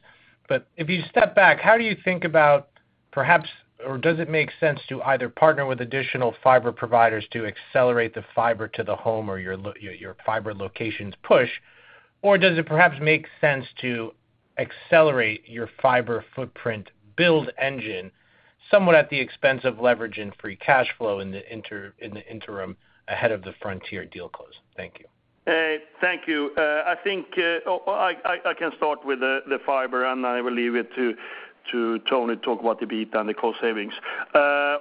If you step back, how do you think about perhaps, or does it make sense to either partner with additional fiber providers to accelerate the fiber to the home or your fiber locations push, or does it perhaps make sense to accelerate your fiber footprint build engine somewhat at the expense of leverage and free cash flow in the interim ahead of the Frontier deal close? Thank you. Thank you. I think I can start with the fiber, and I will leave it to Tony to talk about the EBITDA and the cost savings.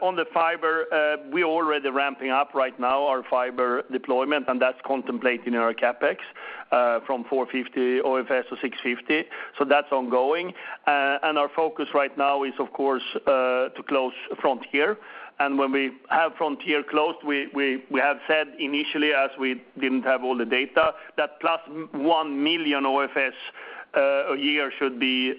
On the fiber, we're already ramping up right now our fiber deployment, and that's contemplated in our CapEx from 450 OFS to 650. That's ongoing. Our focus right now is, of course, to close Frontier. When we have Frontier closed, we have said initially, as we didn't have all the data, that plus 1 million OFS a year should be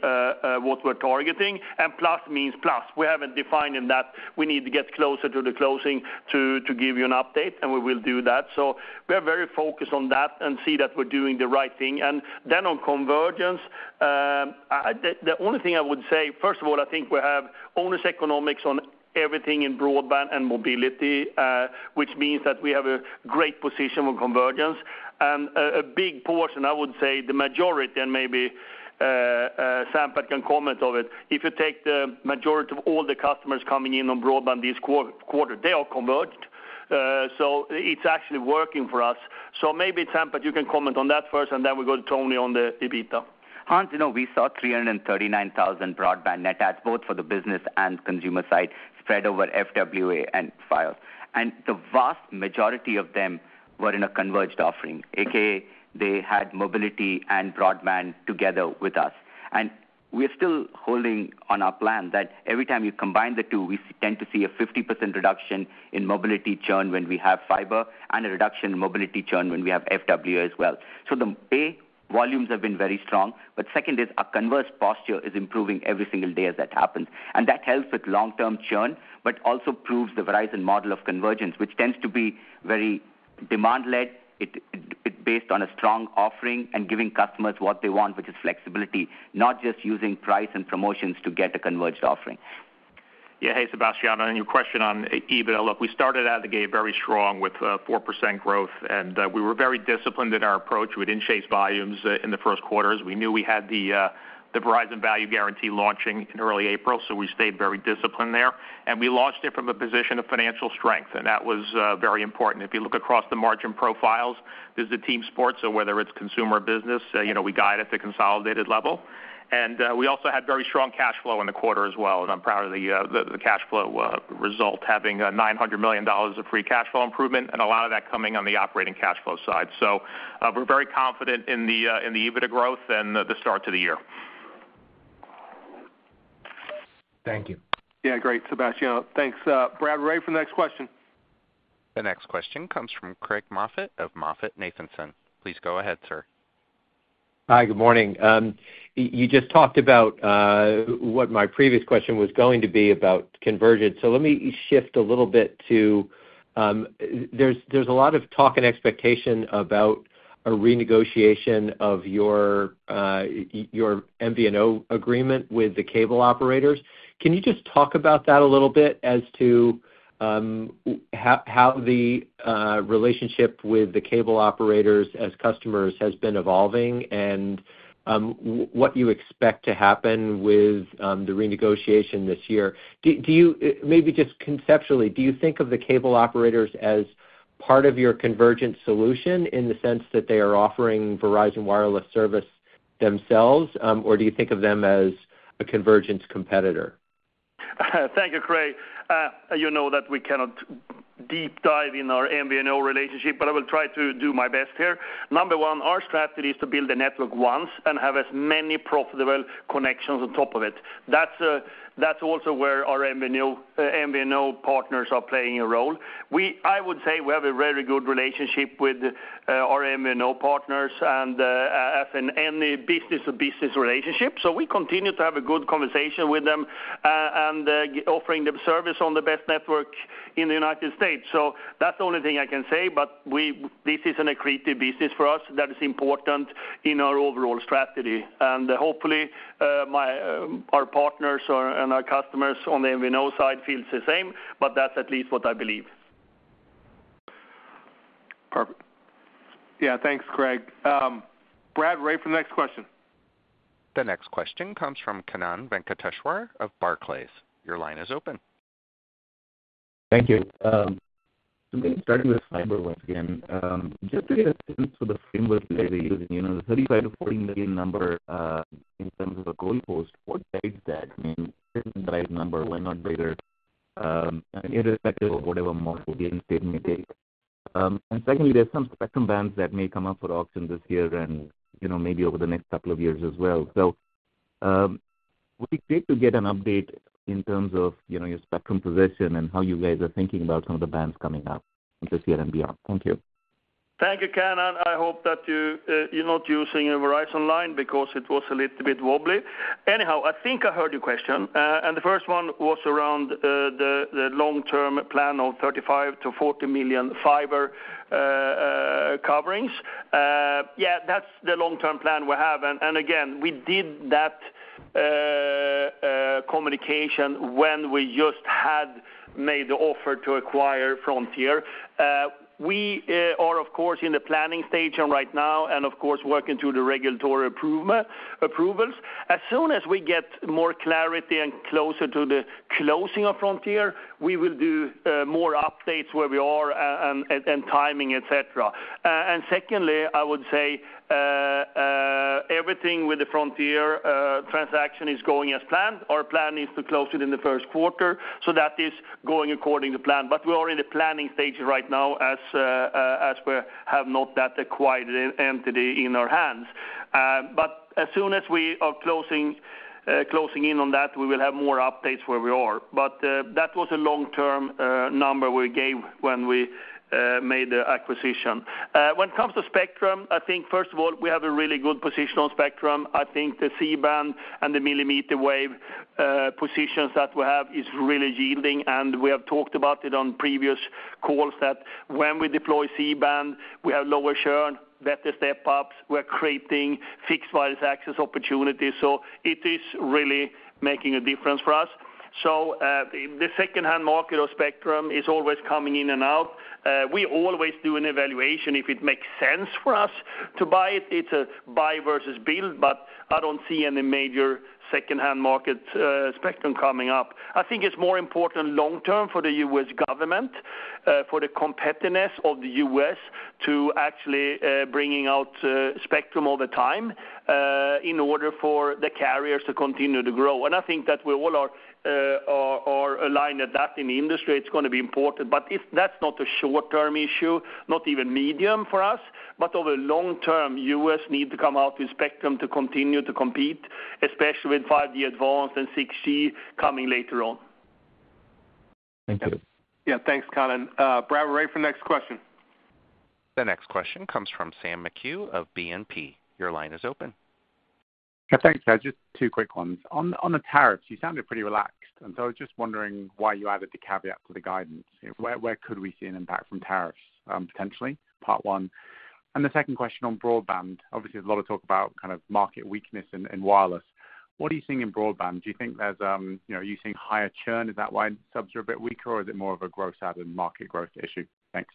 what we're targeting. Plus means plus. We haven't defined in that we need to get closer to the closing to give you an update, and we will do that. We're very focused on that and see that we're doing the right thing. On convergence, the only thing I would say, first of all, I think we have owner's economics on everything in broadband and mobility, which means that we have a great position on convergence. A big portion, I would say the majority, and maybe Sampath can comment on it, if you take the majority of all the customers coming in on broadband this quarter, they are converged. It is actually working for us. Maybe, Sampath, you can comment on that first, and then we go to Tony on the EBITDA. Hans, you know we saw 339,000 broadband net adds both for the business and consumer side spread over FWA and Fios. The vast majority of them were in a converged offering, a.k.a. they had mobility and broadband together with us. We're still holding on our plan that every time you combine the two, we tend to see a 50% reduction in mobility churn when we have fiber and a reduction in mobility churn when we have FWA as well. The pay volumes have been very strong. Second is our converged posture is improving every single day as that happens. That helps with long-term churn, but also proves the Verizon model of convergence, which tends to be very demand-led. It's based on a strong offering and giving customers what they want, which is flexibility, not just using price and promotions to get a converged offering. Yeah, hey, Sebastiano, and your question on EBITDA, look, we started out the gate very strong with 4% growth, and we were very disciplined in our approach. We did not chase volumes in the first quarter. As we knew, we had the Verizon Value Guarantee launching in early April, we stayed very disciplined there. We launched it from a position of financial strength, and that was very important. If you look across the margin profiles, there is the team sports, so whether it is consumer or business, we guide at the consolidated level. We also had very strong cash flow in the quarter as well, and I am proud of the cash flow result, having $900 million of free cash flow improvement and a lot of that coming on the operating cash flow side. We are very confident in the EBITDA growth and the start to the year. Thank you. Yeah, great, Sebastiano. Thanks. Operator, we'll wait for the next question. The next question comes from Craig Moffett of MoffettNathanson. Please go ahead, sir. Hi, good morning. You just talked about what my previous question was going to be about convergence. Let me shift a little bit to there's a lot of talk and expectation about a renegotiation of your MVNO agreement with the cable operators. Can you just talk about that a little bit as to how the relationship with the cable operators as customers has been evolving and what you expect to happen with the renegotiation this year? Maybe just conceptually, do you think of the cable operators as part of your convergent solution in the sense that they are offering Verizon Wireless service themselves, or do you think of them as a convergence competitor? Thank you, Craig. You know that we cannot deep dive in our MVNO relationship, but I will try to do my best here. Number one, our strategy is to build a network once and have as many profitable connections on top of it. That's also where our MVNO partners are playing a role. I would say we have a very good relationship with our MVNO partners and as in any business-to-business relationship. We continue to have a good conversation with them and offering them service on the best network in the United States. That's the only thing I can say, but this is an accretive business for us that is important in our overall strategy. Hopefully, our partners and our customers on the MVNO side feel the same, but that's at least what I believe. Perfect. Yeah, thanks, Craig. Operator will wait for the next question. The next question comes from Kannan Venkateshwar of Barclays. Your line is open. Thank you. Starting with fiber once again, just to get a sense of the framework that they're using, the 35-40 million number in terms of a goal post, what does that mean? Where is the right number? Why not bigger? Irrespective of whatever market game state may take. Secondly, there are some spectrum bands that may come up for auction this year and maybe over the next couple of years as well. It would be great to get an update in terms of your spectrum position and how you guys are thinking about some of the bands coming up this year and beyond. Thank you. Thank you, Kannan. I hope that you're not using a Verizon line because it was a little bit wobbly. Anyhow, I think I heard your question, and the first one was around the long-term plan of 35-40 million fiber coverings. Yeah, that's the long-term plan we have. Again, we did that communication when we just had made the offer to acquire Frontier. We are, of course, in the planning stage right now and, of course, working through the regulatory approvals. As soon as we get more clarity and closer to the closing of Frontier, we will do more updates where we are and timing, etc. Secondly, I would say everything with the Frontier transaction is going as planned. Our plan is to close it in the first quarter, so that is going according to plan. We are in the planning stage right now as we have not that acquired entity in our hands. As soon as we are closing in on that, we will have more updates where we are. That was a long-term number we gave when we made the acquisition. When it comes to spectrum, I think, first of all, we have a really good position on spectrum. I think the C-band and the millimeter wave positions that we have are really yielding, and we have talked about it on previous calls that when we deploy C-band, we have lower churn, better step-ups. We're creating fixed wireless access opportunities. It is really making a difference for us. The second-hand market of spectrum is always coming in and out. We always do an evaluation if it makes sense for us to buy it. It's a buy versus build, but I don't see any major second-hand market spectrum coming up. I think it's more important long-term for the U.S. government, for the competitiveness of the U.S. to actually bring out spectrum over time in order for the carriers to continue to grow. I think that we all are aligned at that in the industry. It's going to be important, but that's not a short-term issue, not even medium for us, but over long-term, U.S. need to come out with spectrum to continue to compete, especially with 5G Advanced and 6G coming later on. Thank you. Yeah, thanks, Kannan. Operator will wait for the next question. The next question comes from Sam McHugh of BNP. Your line is open. Yeah, thanks, guys. Just two quick ones. On the tariffs, you sounded pretty relaxed, and so I was just wondering why you added the caveat to the guidance. Where could we see an impact from tariffs potentially? Part one. The second question on broadband, obviously, there's a lot of talk about kind of market weakness in wireless. What are you seeing in broadband? Do you think there's are you seeing higher churn? Is that why subs are a bit weaker, or is it more of a gross out of market growth issue? Thanks.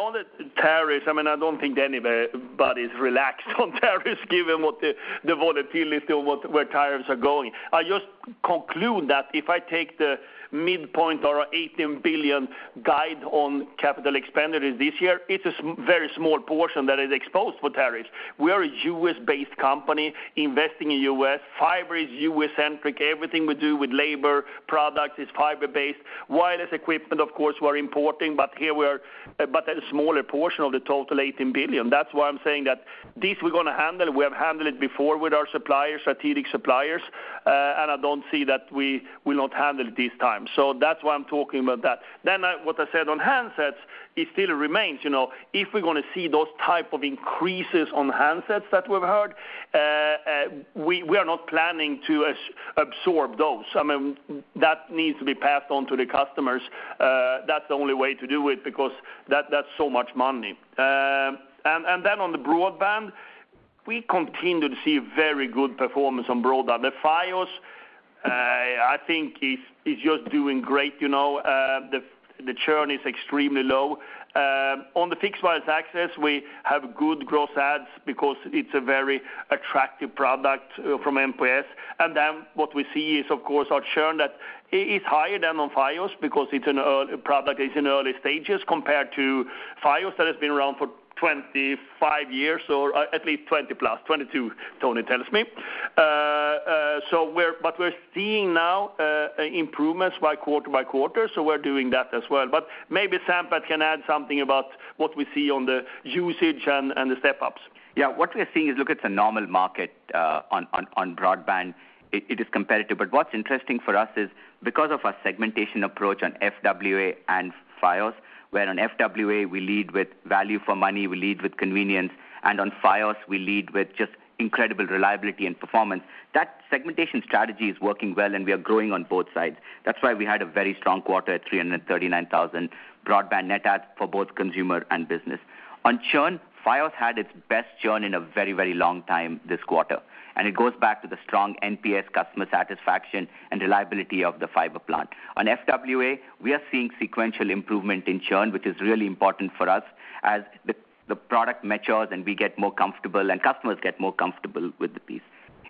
On the tariffs, I mean, I don't think anybody's relaxed on tariffs given the volatility of where tariffs are going. I just conclude that if I take the midpoint or our $18 billion guide on capital expenditures this year, it's a very small portion that is exposed for tariffs. We area US-based company investing in the U.S. Fiber is US-centric. Everything we do with labor products is fiber-based. Wireless equipment, of course, we are importing, but here we are but a smaller portion of the total $18 billion. That's why I'm saying that this we're going to handle. We have handled it before with our strategic suppliers, and I don't see that we will not handle it this time. That's why I'm talking about that. What I said on handsets still remains. If we're going to see those types of increases on handsets that we've heard, we are not planning to absorb those. I mean, that needs to be passed on to the customers. That's the only way to do it because that's so much money. On the broadband, we continue to see very good performance on broadband. The Fios, I think, is just doing great. The churn is extremely low. On the fixed wireless access, we have good gross adds because it's a very attractive product from NPS. What we see is, of course, our churn that is higher than on Fios because it's an early product. It's in early stages compared to Fios that has been around for 25 years or at least 20 plus, 22, Tony tells me. We're seeing now improvements by quarter-by-quarter, so we're doing that as well. Maybe Sampath can add something about what we see on the usage and the step-ups. Yeah, what we're seeing is look at the normal market on broadband. It is competitive, but what's interesting for us is because of our segmentation approach on FWA and Fios, where on FWA we lead with value for money, we lead with convenience, and on Fios, we lead with just incredible reliability and performance. That segmentation strategy is working well, and we are growing on both sides. That's why we had a very strong quarter at 339,000 broadband net adds for both consumer and business. On churn, Fios had its best churn in a very, very long time this quarter, and it goes back to the strong NPS customer satisfaction and reliability of the fiber plant. On FWA, we are seeing sequential improvement in churn, which is really important for us as the product matures and we get more comfortable and customers get more comfortable with the piece.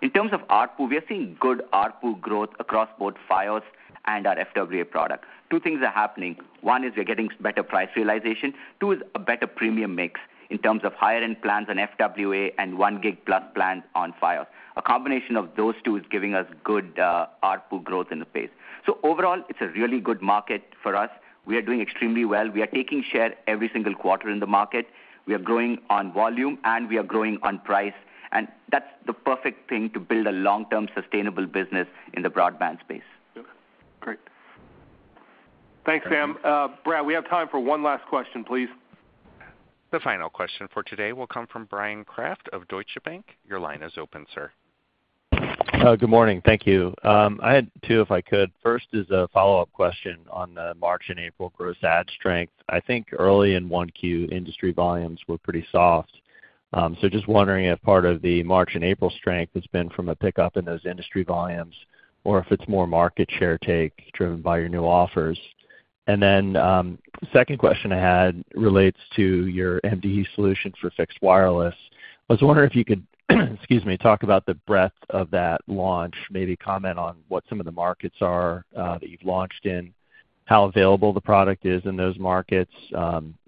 In terms of ARPU, we are seeing good ARPU growth across both Fios and our FWA product. Two things are happening. One is we're getting better price realization. Two is a better premium mix in terms of higher-end plans on FWA and 1 gig-plus plans on Fios. A combination of those two is giving us good ARPU growth in the pace. Overall, it's a really good market for us. We are doing extremely well. We are taking share every single quarter in the market. We are growing on volume, and we are growing on price. That's the perfect thing to build a long-term sustainable business in the broadband space. Okay, great. Thanks, Sam. Operator, we have time for one last question, please. The final question for today will come from Bryan Kraft of Deutsche Bank. Your line is open, sir. Good morning. Thank you. I had two if I could. First is a follow-up question on the March and April gross ad strength. I think early in 1Q, industry volumes were pretty soft. Just wondering if part of the March and April strength has been from a pickup in those industry volumes or if it's more market share take driven by your new offers. The second question I had relates to your MDU solution for fixed wireless. I was wondering if you could, excuse me, talk about the breadth of that launch, maybe comment on what some of the markets are that you've launched in, how available the product is in those markets,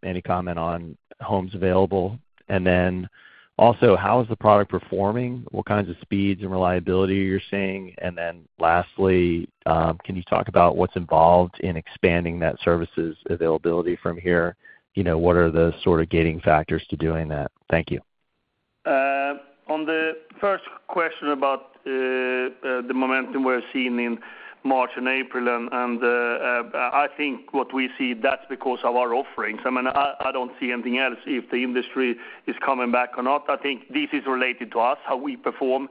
any comment on homes available, and then also how is the product performing, what kinds of speeds and reliability you're seeing, and then lastly, can you talk about what's involved in expanding that services availability from here? What are the sort of gating factors to doing that? Thank you. On the first question about the momentum we're seeing in March and April, I think what we see, that's because of our offerings. I mean, I don't see anything else if the industry is coming back or not. I think this is related to us, how we perform.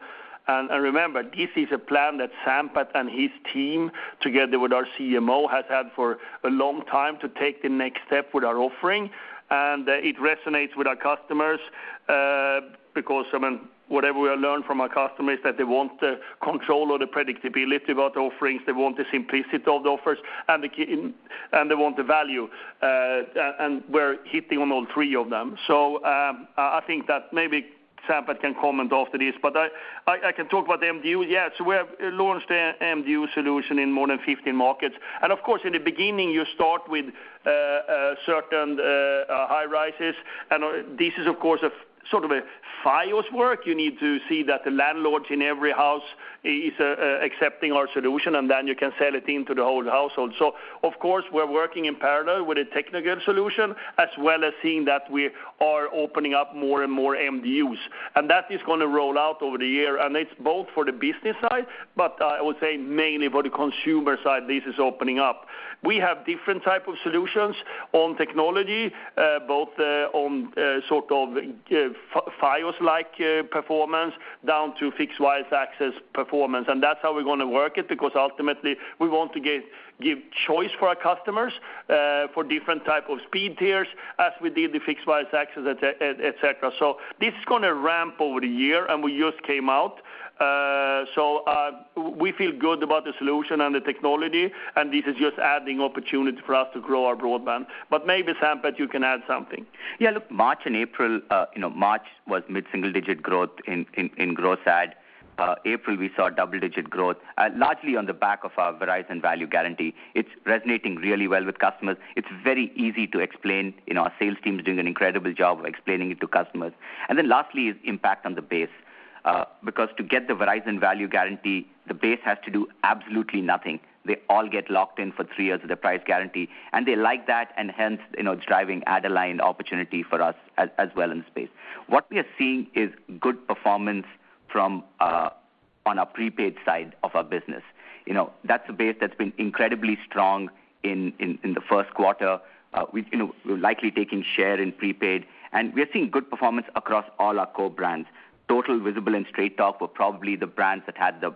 Remember, this is a plan that Sampath and his team together with our CMO has had for a long time to take the next step with our offering, and it resonates with our customers because, I mean, whatever we learn from our customers is that they want the control or the predictability about the offerings. They want the simplicity of the offers, and they want the value. We're hitting on all three of them. I think that maybe Sampath can comment after this, but I can talk about the MDU. Yeah, we have launched the MDU solution in more than 15 markets. Of course, in the beginning, you start with certain high rises, and this is, of course, sort of a Fios work. You need to see that the landlords in every house are accepting our solution, and then you can sell it into the whole household. Of course, we're working in parallel with a technical solution as well as seeing that we are opening up more and more MDUs. That is going to roll out over the year, and it's both for the business side, but I would say mainly for the consumer side, this is opening up. We have different types of solutions on technology, both on sort of Fios-like performance down to fixed wireless access performance. That is how we're going to work it because ultimately, we want to give choice for our customers for different types of speed tiers as we did the fixed wireless access, etc. This is going to ramp over the year, and we just came out. We feel good about the solution and the technology, and this is just adding opportunity for us to grow our broadband. Maybe Sampath, you can add something. Yeah, look, March and April, March was mid-single digit growth in gross ad. April, we saw double digit growth, largely on the back of our Verizon Value Guarantee. It's resonating really well with customers. It's very easy to explain. Our sales team is doing an incredible job of explaining it to customers. Lastly is impact on the base because to get the Verizon Value Guarantee, the base has to do absolutely nothing. They all get locked in for three years of the price guarantee, and they like that, and hence it's driving add-a-line opportunity for us as well in the space. What we are seeing is good performance on our prepaid side of our business. That's a base that's been incredibly strong in the first quarter. We're likely taking share in prepaid, and we are seeing good performance across all our core brands. Total Visible and Straight Talk were probably the brands that had the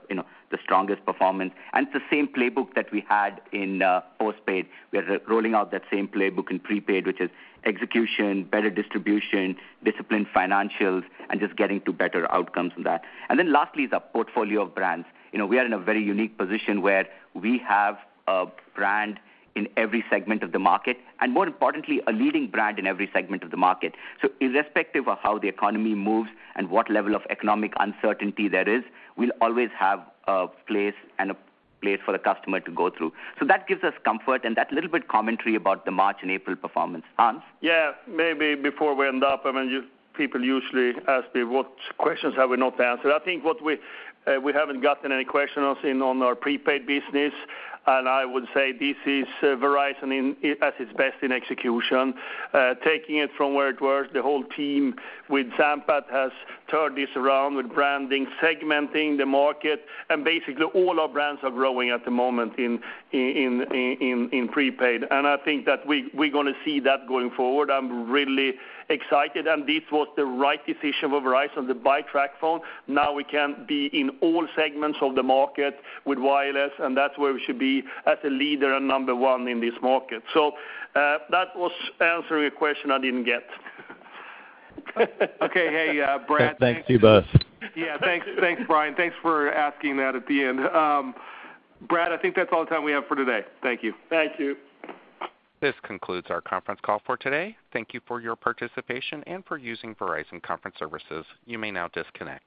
strongest performance. It is the same playbook that we had in postpaid. We are rolling out that same playbook in prepaid, which is execution, better distribution, disciplined financials, and just getting to better outcomes on that. Lastly, our portfolio of brands. We are in a very unique position where we have a brand in every segment of the market, and more importantly, a leading brand in every segment of the market. Irrespective of how the economy moves and what level of economic uncertainty there is, we will always have a place and a place for the customer to go through. That gives us comfort, and that little bit commentary about the March and April performance. Hans? Yeah, maybe before we end up, I mean, people usually ask me what questions have we not answered. I think we haven't gotten any questions on our prepaid business, and I would say this is Verizon at its best in execution, taking it from where it was. The whole team with Sampath has turned this around with branding, segmenting the market, and basically all our brands are growing at the moment in prepaid. I think that we're going to see that going forward. I'm really excited, and this was the right decision for Verizon, the buy TracFone. Now we can be in all segments of the market with wireless, and that's where we should be as a leader and number one in this market. That was answering a question I didn't get. Okay, hey, Brady. Thanks to you both. Yeah, thanks, Brian. Thanks for asking that at the end. Brad, I think that's all the time we have for today. Thank you. Thank you. This concludes our conference call for today. Thank you for your participation and for using Verizon Conference Services. You may now disconnect.